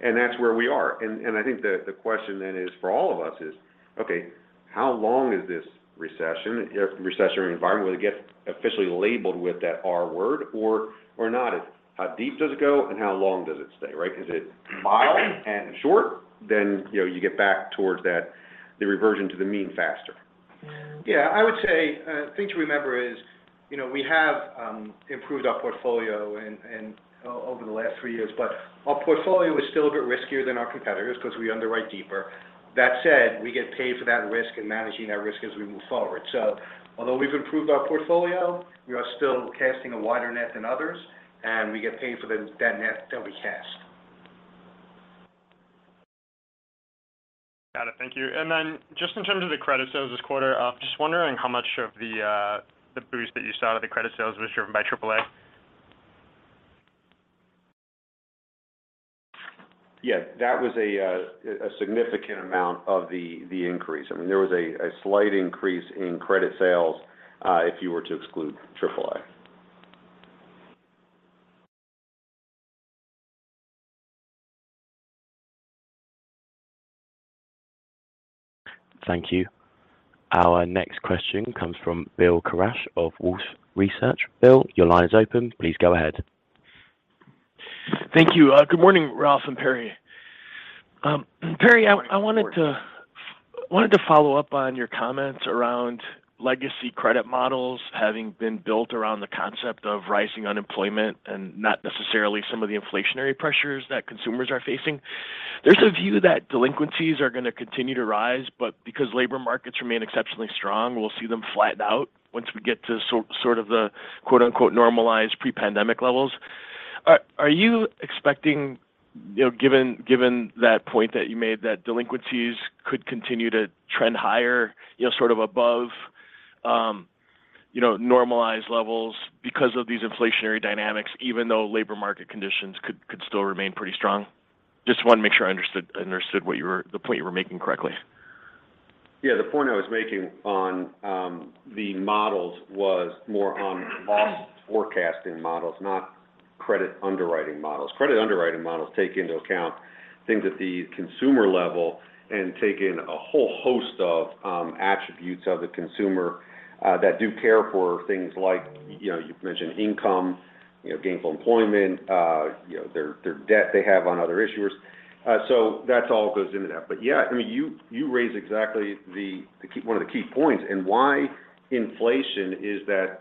That's where we are. I think the question then is for all of us is, okay, how long is this recession, re-recessionary environment, will it get officially labeled with that R word or not? How deep does it go, and how long does it stay, right? Is it mild and short? you know, you get back towards that, the reversion to the mean faster. I would say, the thing to remember is, you know, we have improved our portfolio and over the last three years. Our portfolio is still a bit riskier than our competitors because we underwrite deeper. That said, we get paid for that risk and managing that risk as we move forward. Although we've improved our portfolio, we are still casting a wider net than others, and we get paid for that net that we cast. Got it. Thank you. Just in terms of the credit sales this quarter, I'm just wondering how much of the boost that you saw out of the credit sales was driven by AAA. That was a significant amount of the increase. I mean, there was a slight increase in credit sales if you were to exclude AAA. Thank you. Our next question comes from Bill Carcache of Wolfe Research. Bill, your line is open. Please go ahead. Thank you. Good morning, Ralph and Perry. Perry. Good morning.... wanted to follow up on your comments around legacy credit models having been built around the concept of rising unemployment and not necessarily some of the inflationary pressures that consumers are facing. There's a view that delinquencies are going to continue to rise, but because labor markets remain exceptionally strong, we'll see them flatten out once we get to sort of the quote, unquote, "normalized pre-pandemic levels." Are you expecting, you know, given that point that you made that delinquencies could continue to trend higher, you know, sort of above, you know, normalized levels because of these inflationary dynamics, even though labor market conditions could still remain pretty strong? Just wanted to make sure I understood what you were the point you were making correctly. The point I was making on the models was more on loss forecasting models, not credit underwriting models. Credit underwriting models take into account things at the consumer level and take in a whole host of attributes of the consumer that do care for things like, you know, you've mentioned income, you know, gainful employment, you know, their debt they have on other issuers. So that's all goes into that. I mean, you raise exactly one of the key points and why inflation is that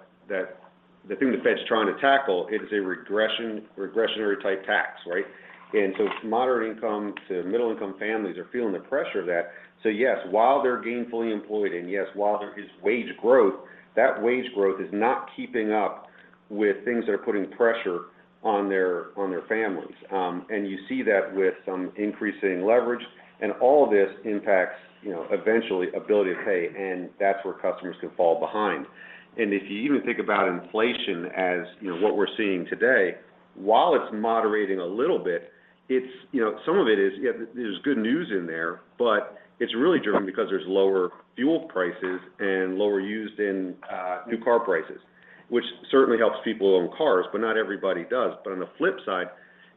the thing the Fed's trying to tackle, it is a regressionary type tax, right? Moderate income to middle income families are feeling the pressure of that. Yes, while they're gainfully employed, and yes, while there is wage growth, that wage growth is not keeping up with things that are putting pressure on their, on their families. You see that with some increasing leverage. All of this impacts, you know, eventually ability to pay, and that's where customers can fall behind. If you even think about inflation as, you know, what we're seeing today, while it's moderating a little bit, it's, you know, some of it is, yeah, there's good news in there, but it's really driven because there's lower fuel prices and lower used and new car prices, which certainly helps people own cars, but not everybody does. On the flip side,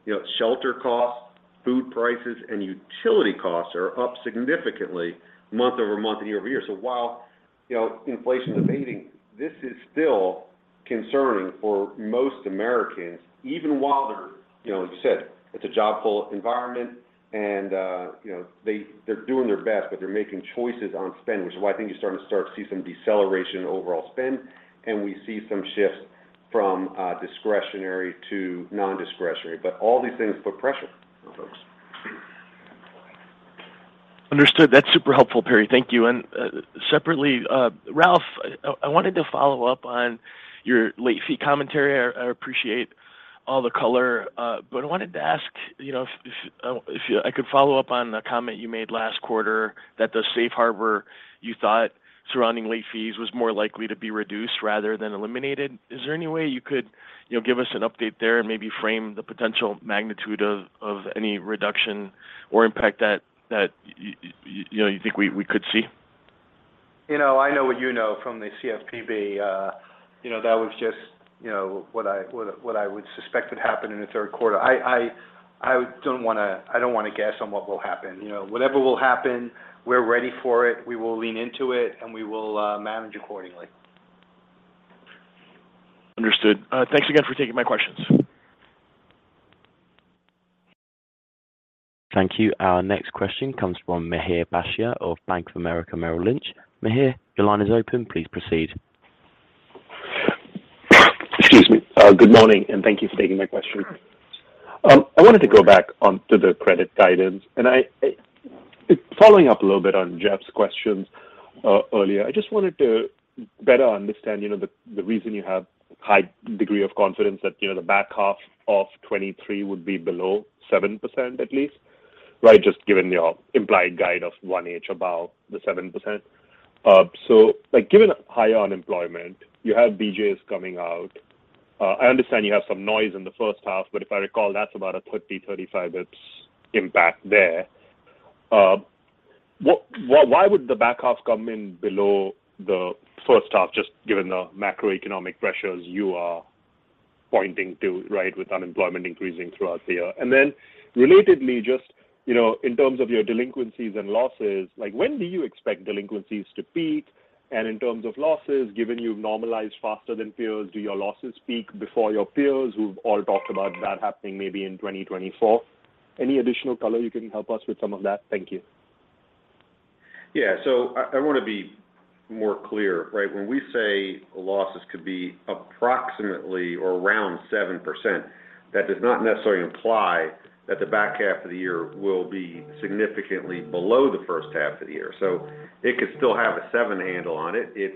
you know, shelter costs, food prices, and utility costs are up significantly month-over-month and year-over-year. While, you know, inflation is abating, this is still concerning for most Americans, even while they're, you know, as you said, it's a job full environment and, you know, they're doing their best, but they're making choices on spend, which is why I think you're starting to see some deceleration in overall spend, and we see some shifts from discretionary to non-discretionary. All these things put pressure on folks. Understood. That's super helpful, Perry Beberman. Thank you. Separately, Ralph Andretta, I wanted to follow up on your late fee commentary. I appreciate all the color. I wanted to ask, you know, if I could follow up on a comment you made last quarter that the safe harbor you thought surrounding late fees was more likely to be reduced rather than eliminated. Is there any way you could, you know, give us an update there and maybe frame the potential magnitude of any reduction or impact that you know, you think we could see? You know, I know what you know from the CFPB. You know, that was just, you know, what I would suspect would happen in the third quarter. I don't wanna guess on what will happen. You know, whatever will happen, we're ready for it. We will lean into it, and we will manage accordingly. Understood. Thanks again for taking my questions. Thank you. Our next question comes from Mihir Bhatia of Bank of America Merrill Lynch. Mihir, your line is open. Please proceed. Excuse me. Good morning, thank you for taking my question. I wanted to go back onto the credit guidance. Following up a little bit on Jeff's questions earlier, I just wanted to better understand, you know, the reason you have high degree of confidence that, you know, the back half of 2023 would be below 7% at least, right? Just given your implied guide of one inch above the 7%. Like given high unemployment, you have BJ's coming out. I understand you have some noise in the first half, if I recall, that's about a 30, 35 basis points impact there. Why would the back half come in below the first half, just given the macroeconomic pressures you are pointing to, right, with unemployment increasing throughout the year? Relatedly, just, you know, in terms of your delinquencies and losses, like, when do you expect delinquencies to peak? In terms of losses, given you've normalized faster than peers, do your losses peak before your peers? We've all talked about that happening maybe in 2024. Any additional color you can help us with some of that? Thank you. Yeah. I want to be more clear, right? When we say losses could be approximately or around 7%, that does not necessarily imply that the back half of the year will be significantly below the first half of the year. It could still have a seven handle on it. It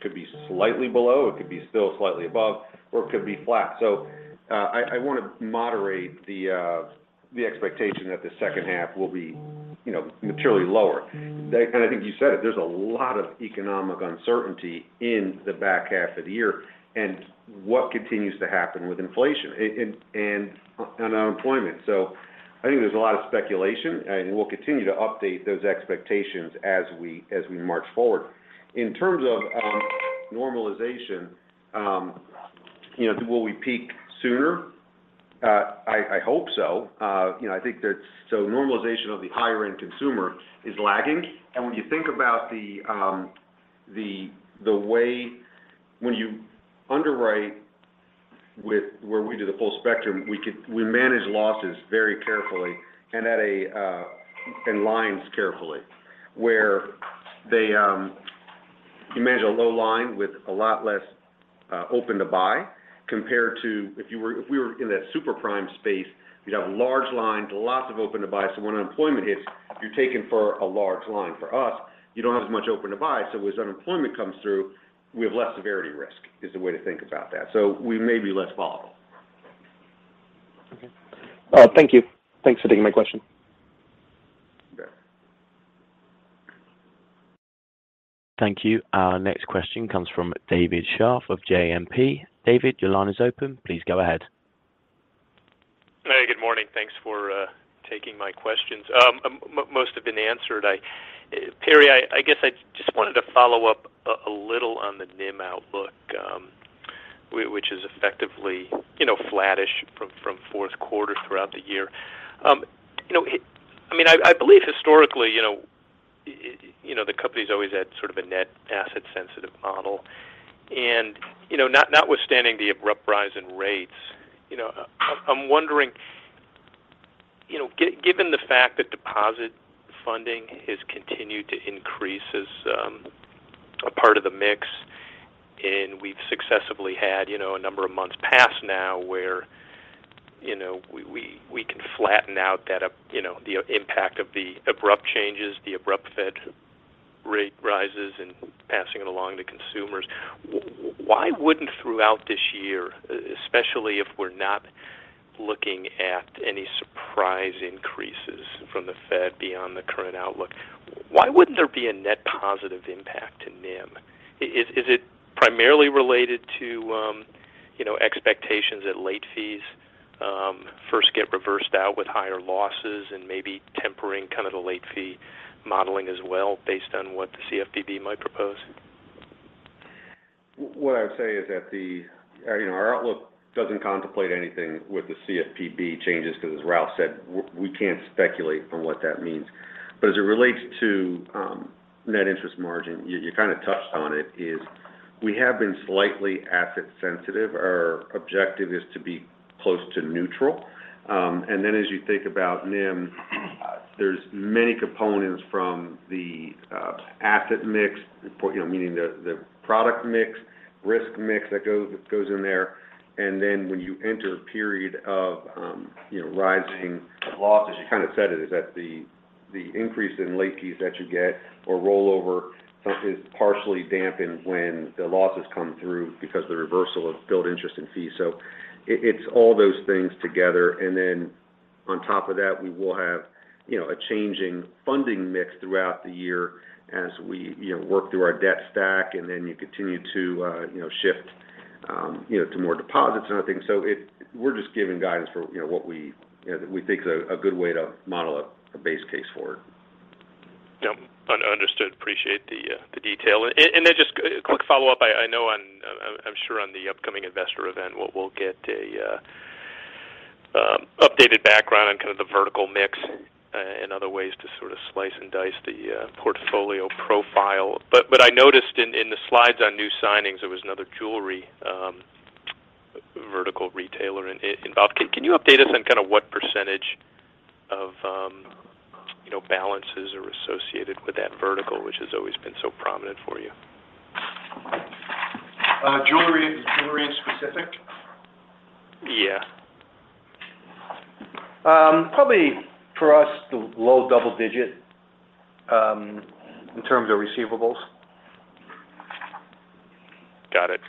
could be slightly below, it could be still slightly above, or it could be flat. I want to moderate the expectation that the second half will be, you know, materially lower. I think you said it, there's a lot of economic uncertainty in the back half of the year and what continues to happen with inflation and unemployment. I think there's a lot of speculation, and we'll continue to update those expectations as we march forward. In terms of normalization, you know, will we peak sooner? I hope so. You know, I think that so normalization of the higher end consumer is lagging. When you think about the, the way when you underwrite with where we do the full-spectrum, we manage losses very carefully and at a, and lines carefully. Where they, you manage a low line with a lot less open-to-buy compared to if we were in that super prime space, you'd have large lines, lots of open-to-buy. When unemployment hits, you're taking for a large line. For us, you don't have as much open-to-buy, so as unemployment comes through, we have less severity risk is the way to think about that. We may be less volatile. Okay. Thank you. Thanks for taking my question. You bet. Thank you. Our next question comes from David Scharf of JMP. David, your line is open. Please go ahead. Hey, good morning. Thanks for taking my questions. Most have been answered. Perry, I guess I just wanted to follow up a little on the NIM outlook, which is effectively, you know, flattish from fourth quarter throughout the year. I mean, I believe historically, you know, you know, the company's always had sort of a net asset sensitive model. Notwithstanding the abrupt rise in rates, you know, I'm wondering, given the fact that deposit funding has continued to increase as a part of the mix, and we've successively had, you know, a number of months passed now where, you know, we can flatten out that up, you know, the impact of the abrupt changes, the abrupt Fed rate rises and passing it along to consumers. Why wouldn't throughout this year, especially if we're not looking at any surprise increases from the Fed beyond the current outlook, why wouldn't there be a net positive impact to NIM? Is it primarily related to, you know, expectations that late fees, first get reversed out with higher losses and maybe tempering kind of the late fee modeling as well based on what the CFPB might propose? What I would say is that the, you know, our outlook doesn't contemplate anything with the CFPB changes because as Ralph said, we can't speculate on what that means. As it relates to net interest margin, you kind of touched on it, is we have been slightly asset sensitive. Our objective is to be close to neutral. As you think about NIM, there's many components from the asset mix, you know, meaning the product mix, risk mix that goes in there. When you enter a period of, you know, rising losses, you kind of said it, is that the increase in late fees that you get or rollover is partially dampened when the losses come through because the reversal of built interest and fees. It's all those things together. On top of that, we will have, you know, a changing funding mix throughout the year as we, you know, work through our debt stack and then you continue to, you know, shift, you know, to more deposits and other things. We're just giving guidance for, you know, what we, you know, we think is a good way to model a base case for it. Yep. Understood. Appreciate the detail. Then just a quick follow-up. I know on I'm sure on the upcoming investor event, we'll get a updated background on kind of the vertical mix and other ways to sort of slice and dice the portfolio profile. I noticed in the slides on new signings, there was another jewelry vertical retailer involved. Can you update us on kind of what percentage of, you know, balances are associated with that vertical, which has always been so prominent for you? jewelry in specific? Yeah. Probably for us, low double digit, in terms of receivables. Got it.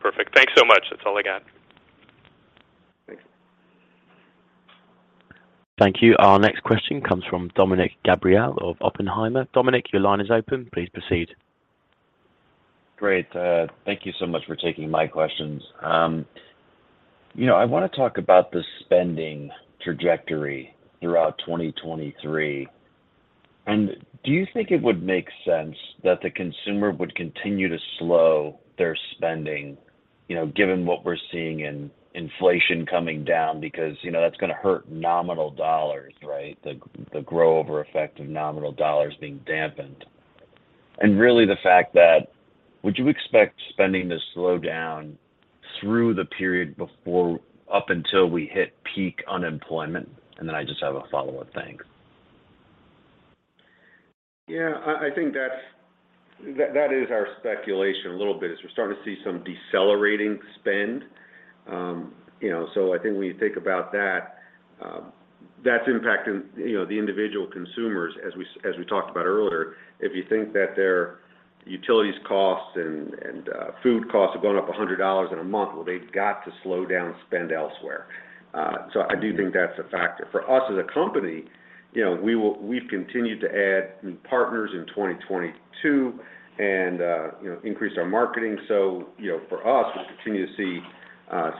Perfect. Thanks so much. That's all I got. Thanks. Thank you. Our next question comes from Dominick Gabriele of Oppenheimer. Dominick, your line is open. Please proceed. Great. Thank you so much for taking my questions. You know, I wanna talk about the spending trajectory throughout 2023. Do you think it would make sense that the consumer would continue to slow their spending, you know, given what we're seeing in inflation coming down? Because, you know, that's gonna hurt nominal dollars, right? The grow over effect of nominal dollars being dampened. Really the fact that would you expect spending to slow down through the period before up until we hit peak unemployment? Then I just have a follow-up. Thanks. I think that is our speculation a little bit, is we're starting to see some decelerating spend. You know, I think when you think about that's impacting, you know, the individual consumers as we talked about earlier. If you think that their utilities costs and food costs have gone up $100 in a month, well, they've got to slow down spend elsewhere. I do think that's a factor. For us as a company, you know, we've continued to add new partners in 2022 and, you know, increase our marketing. You know, for us, we continue to see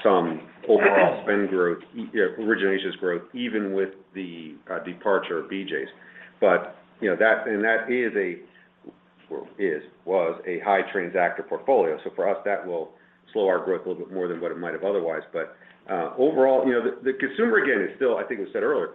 some overall spend growth, you know, originations growth even with the departure of BJ's. You know, that... That was a high transactor portfolio. For us, that will slow our growth a little bit more than what it might have otherwise. Overall, you know, the consumer again is still, I think we said earlier,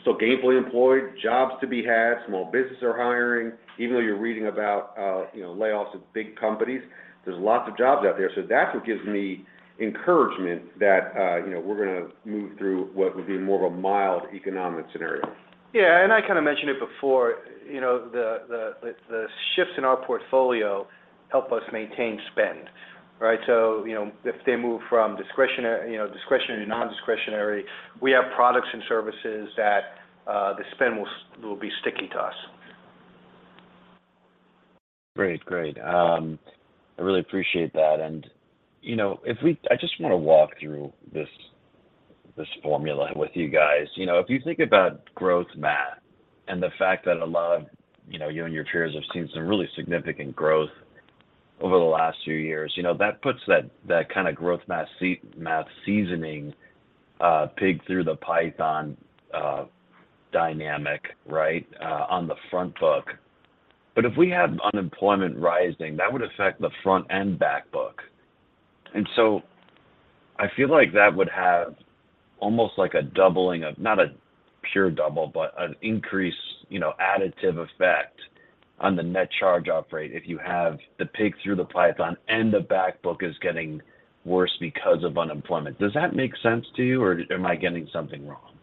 still gainfully employed, jobs to be had, small business are hiring. Even though you're reading about, you know, layoffs at big companies, there's lots of jobs out there. That's what gives me encouragement that, you know, we're gonna move through what would be more of a mild economic scenario. Yeah. I kinda mentioned it before. You know, the shifts in our portfolio help us maintain spend, right? You know, if they move from discretionary to non-discretionary, we have products and services that the spend will be sticky to us. Great. Great. I really appreciate that. You know, I just wanna walk through this formula with you guys. You know, if you think about growth math and the fact that a lot of, you know, you and your peers have seen some really significant growth over the last few years, you know, that puts that kinda growth math math seasoning, pig through the python, dynamic, right, on the front book. If we had unemployment rising, that would affect the front and back book. I feel like that would have almost like a doubling of, not a pure double, but an increase, you know, additive effect on the net charge off rate if you have the pig through the python and the back book is getting worse because of unemployment. Does that make sense to you, or am I getting something wrong?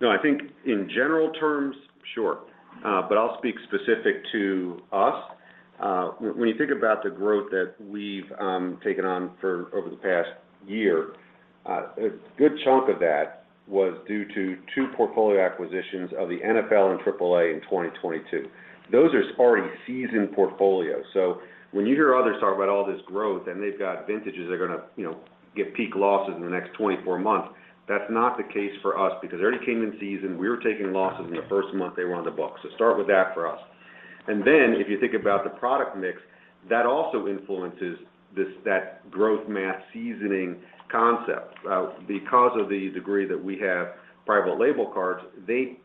No, I think in general terms, sure. I'll speak specific to us. When you think about the growth that we've taken on for over the past year, a good chunk of that was due to two portfolio acquisitions of the NFL and AAA in 2022. Those are already seasoned portfolios. When you hear others talk about all this growth and they've got vintages that are gonna, you know, get peak losses in the next 24 months, that's not the case for us because they already came in season. We were taking losses in the first month they were on the book. Start with that for us. If you think about the product mix, that also influences this, that growth math seasoning concept. Because of the degree that we have private label cards, they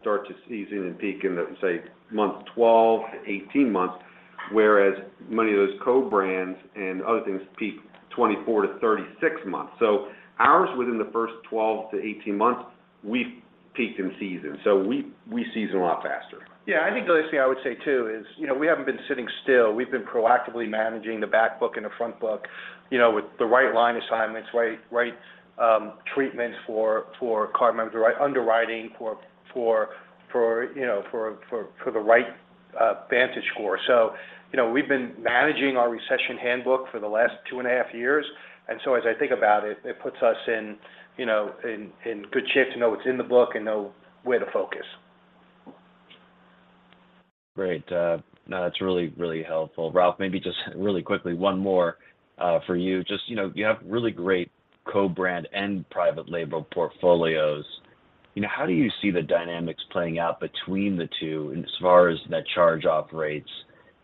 start to season and peak in the, say, month 12 to 18 months, whereas many of those co-brands and other things peak 24 to 36 months. Ours within the first 12 to 18 months, we've peaked in season. We season a lot faster. Yeah. I think the last thing I would say too is, you know, we haven't been sitting still. We've been proactively managing the back book and the front book, you know, with the right line assignments, right treatments for card members, the right underwriting for, you know, for the right VantageScore. You know, we've been managing our recession handbook for the last two and a half years. As I think about it puts us in, you know, in good shape to know what's in the book and know where to focus. Great. No, that's really, really helpful. Ralph, maybe just really quickly, one more for you. Just, you know, you have really great co-brand and private label portfolios. You know, how do you see the dynamics playing out between the two as far as net charge off rates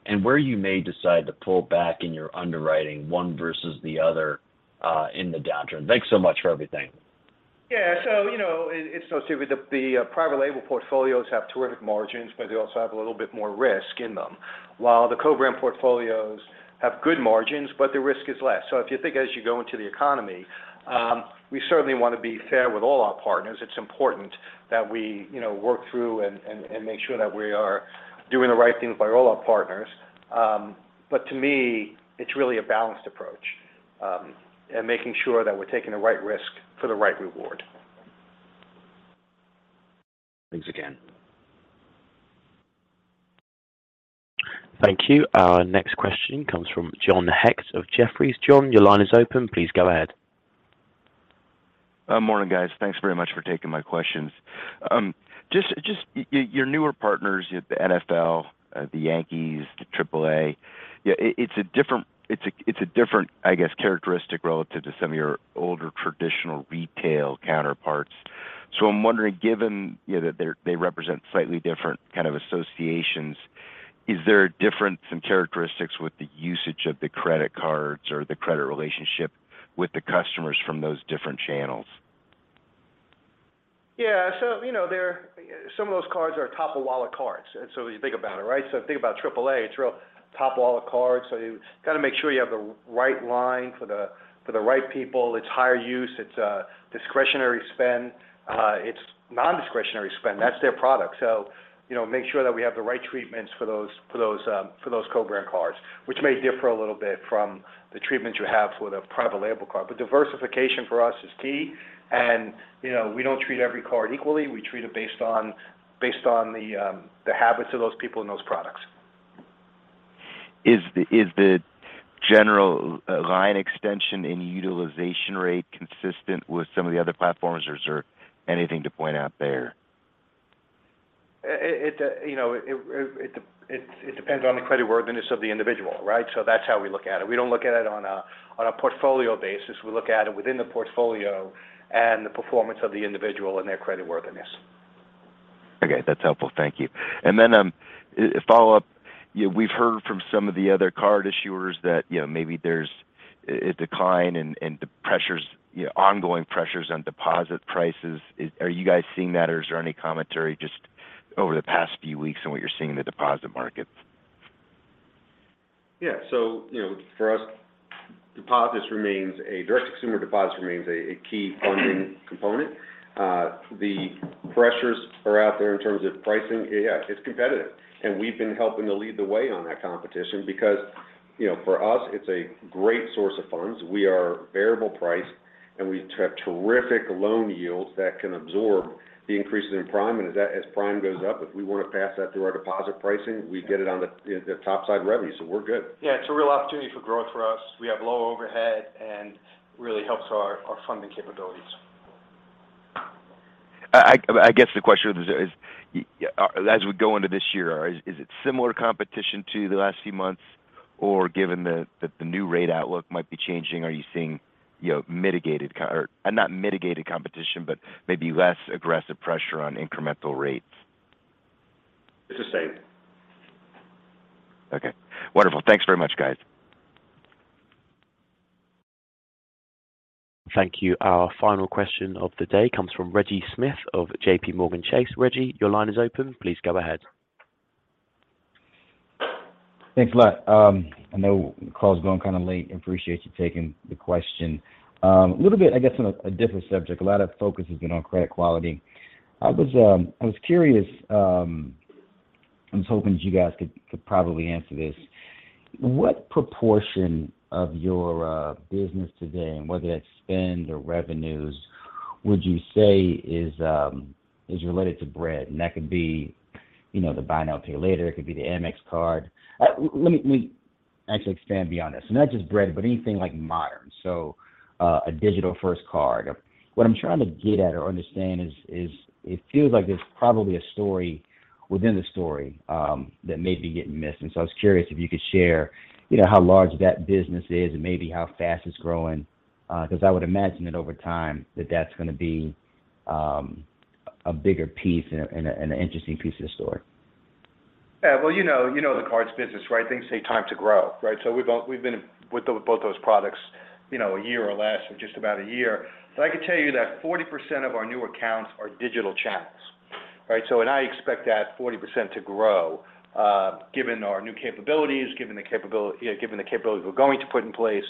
and where you may decide to pull back in your underwriting one versus the other, in the downturn? Thanks so much for everything. Yeah. You know, it's no secret that the private label portfolios have terrific margins, but they also have a little bit more risk in them. While the co-brand portfolios have good margins, but the risk is less. If you think as you go into the economy, we certainly wanna be fair with all our partners. It's important that we, you know, work through and make sure that we are doing the right thing by all our partners. To me, it's really a balanced approach, and making sure that we're taking the right risk for the right reward. Thanks again. Thank you. Our next question comes from John Hecht of Jefferies. John, your line is open. Please go ahead. Morning, guys. Thanks very much for taking my questions. Your newer partners, the NFL, the Yankees, the AAA, it's a different, I guess, characteristic relative to some of your older traditional retail counterparts. I'm wondering, given, you know, that they represent slightly different kind of associations, is there a difference in characteristics with the usage of the credit cards or the credit relationship with the customers from those different channels? Yeah. You know, some of those cards are top-of-wallet cards. You think about it, right? Think about AAA, it's real top-of-wallet card. You kind of make sure you have the right line for the, for the right people. It's higher use, it's discretionary spend, it's nondiscretionary spend. That's their product. You know, make sure that we have the right treatments for those, for those, for those co-brand cards, which may differ a little bit from the treatments you have for the private label card. Diversification for us is key and, you know, we don't treat every card equally. We treat it based on, based on the habits of those people and those products. Is the general line extension in utilization rate consistent with some of the other platforms, or is there anything to point out there? It, you know, it depends on the creditworthiness of the individual, right? That's how we look at it. We don't look at it on a portfolio basis. We look at it within the portfolio and the performance of the individual and their creditworthiness. Okay. That's helpful. Thank you. A follow-up. You know, we've heard from some of the other card issuers that, you know, maybe there's a decline in ongoing pressures on deposit prices. Are you guys seeing that, or is there any commentary just over the past few weeks on what you're seeing in the deposit markets? You know, for us, deposits remains a direct-to-consumer deposits remains a key funding component. The pressures are out there in terms of pricing. It's competitive, and we've been helping to lead the way on that competition because, you know, for us, it's a great source of funds. We are variable priced, and we have terrific loan yields that can absorb the increases in prime. As prime goes up, if we want to pass that through our deposit pricing, we get it on the, you know, the top side revenue, so we're good. It's a real opportunity for growth for us. We have low overhead and really helps our funding capabilities. I guess the question is, as we go into this year, is it similar competition to the last few months, or given that the new rate outlook might be changing, are you seeing, you know, or not mitigated competition, but maybe less aggressive pressure on incremental rates? It's the same. Okay. Wonderful. Thanks very much, guys. Thank you. Our final question of the day comes from Reggie Smith of JPMorgan Chase. Reggie, your line is open. Please go ahead. Thanks a lot. I know the call's going kind of late. I appreciate you taking the question. A little bit, I guess, on a different subject. A lot of focus has been on credit quality. I was curious. I was hoping that you guys could probably answer this. What proportion of your business today, and whether that's spend or revenues, would you say is related to Bread? That could be, you know, the buy now, pay later. It could be the Amex card. Let me actually expand beyond this. Not just Bread, but anything like modern. A digital-first card. What I'm trying to get at or understand is it feels like there's probably a story within the story that may be getting missed. I was curious if you could share, you know, how large that business is and maybe how fast it's growing, 'cause I would imagine that over time that that's gonna be a bigger piece and an interesting piece of the story. Yeah. Well, you know, the cards business, right? Things take time to grow, right? We've been with both those products, you know, a year or less or just about a year. I could tell you that 40% of our new accounts are digital channels, right? I expect that 40% to grow, given our new capabilities, given the capabilities we're going to put in place.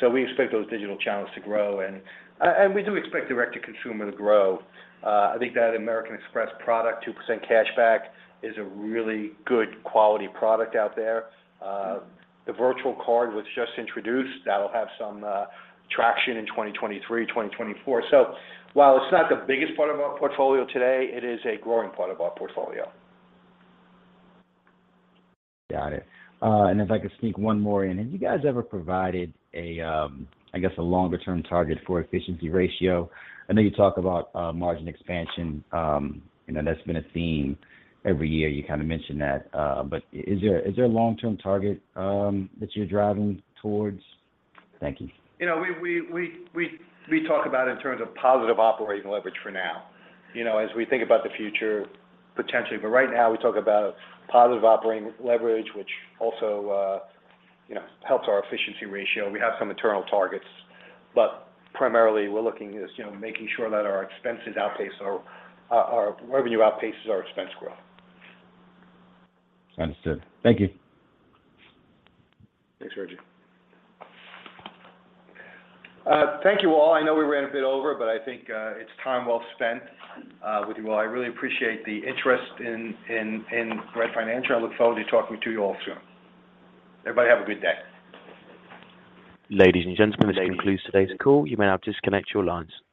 We expect those digital channels to grow and we do expect direct to consumer to grow. I think that American Express product, 2% cashback, is a really good quality product out there. The virtual card was just introduced. That'll have some traction in 2023, 2024. While it's not the biggest part of our portfolio today, it is a growing part of our portfolio. Got it. If I could sneak one more in. Have you guys ever provided a, I guess, a longer-term target for efficiency ratio? I know you talk about, margin expansion, you know, that's been a theme every year. You kind of mentioned that. Is there a long-term target, that you're driving towards? Thank you. You know, we talk about in terms of positive operating leverage for now. You know, as we think about the future, potentially. Right now we talk about positive operating leverage, which also, you know, helps our efficiency ratio. We have some internal targets, but primarily we're looking is, you know, making sure that our expenses outpace or our revenue outpaces our expense growth. Understood. Thank you. Thanks, Regi. Thank you all. I know we ran a bit over, but I think, it's time well spent, with you all. I really appreciate the interest in Bread Financial. I look forward to talking to you all soon. Everybody have a good day. Ladies and gentlemen, this concludes today's call. You may now disconnect your lines.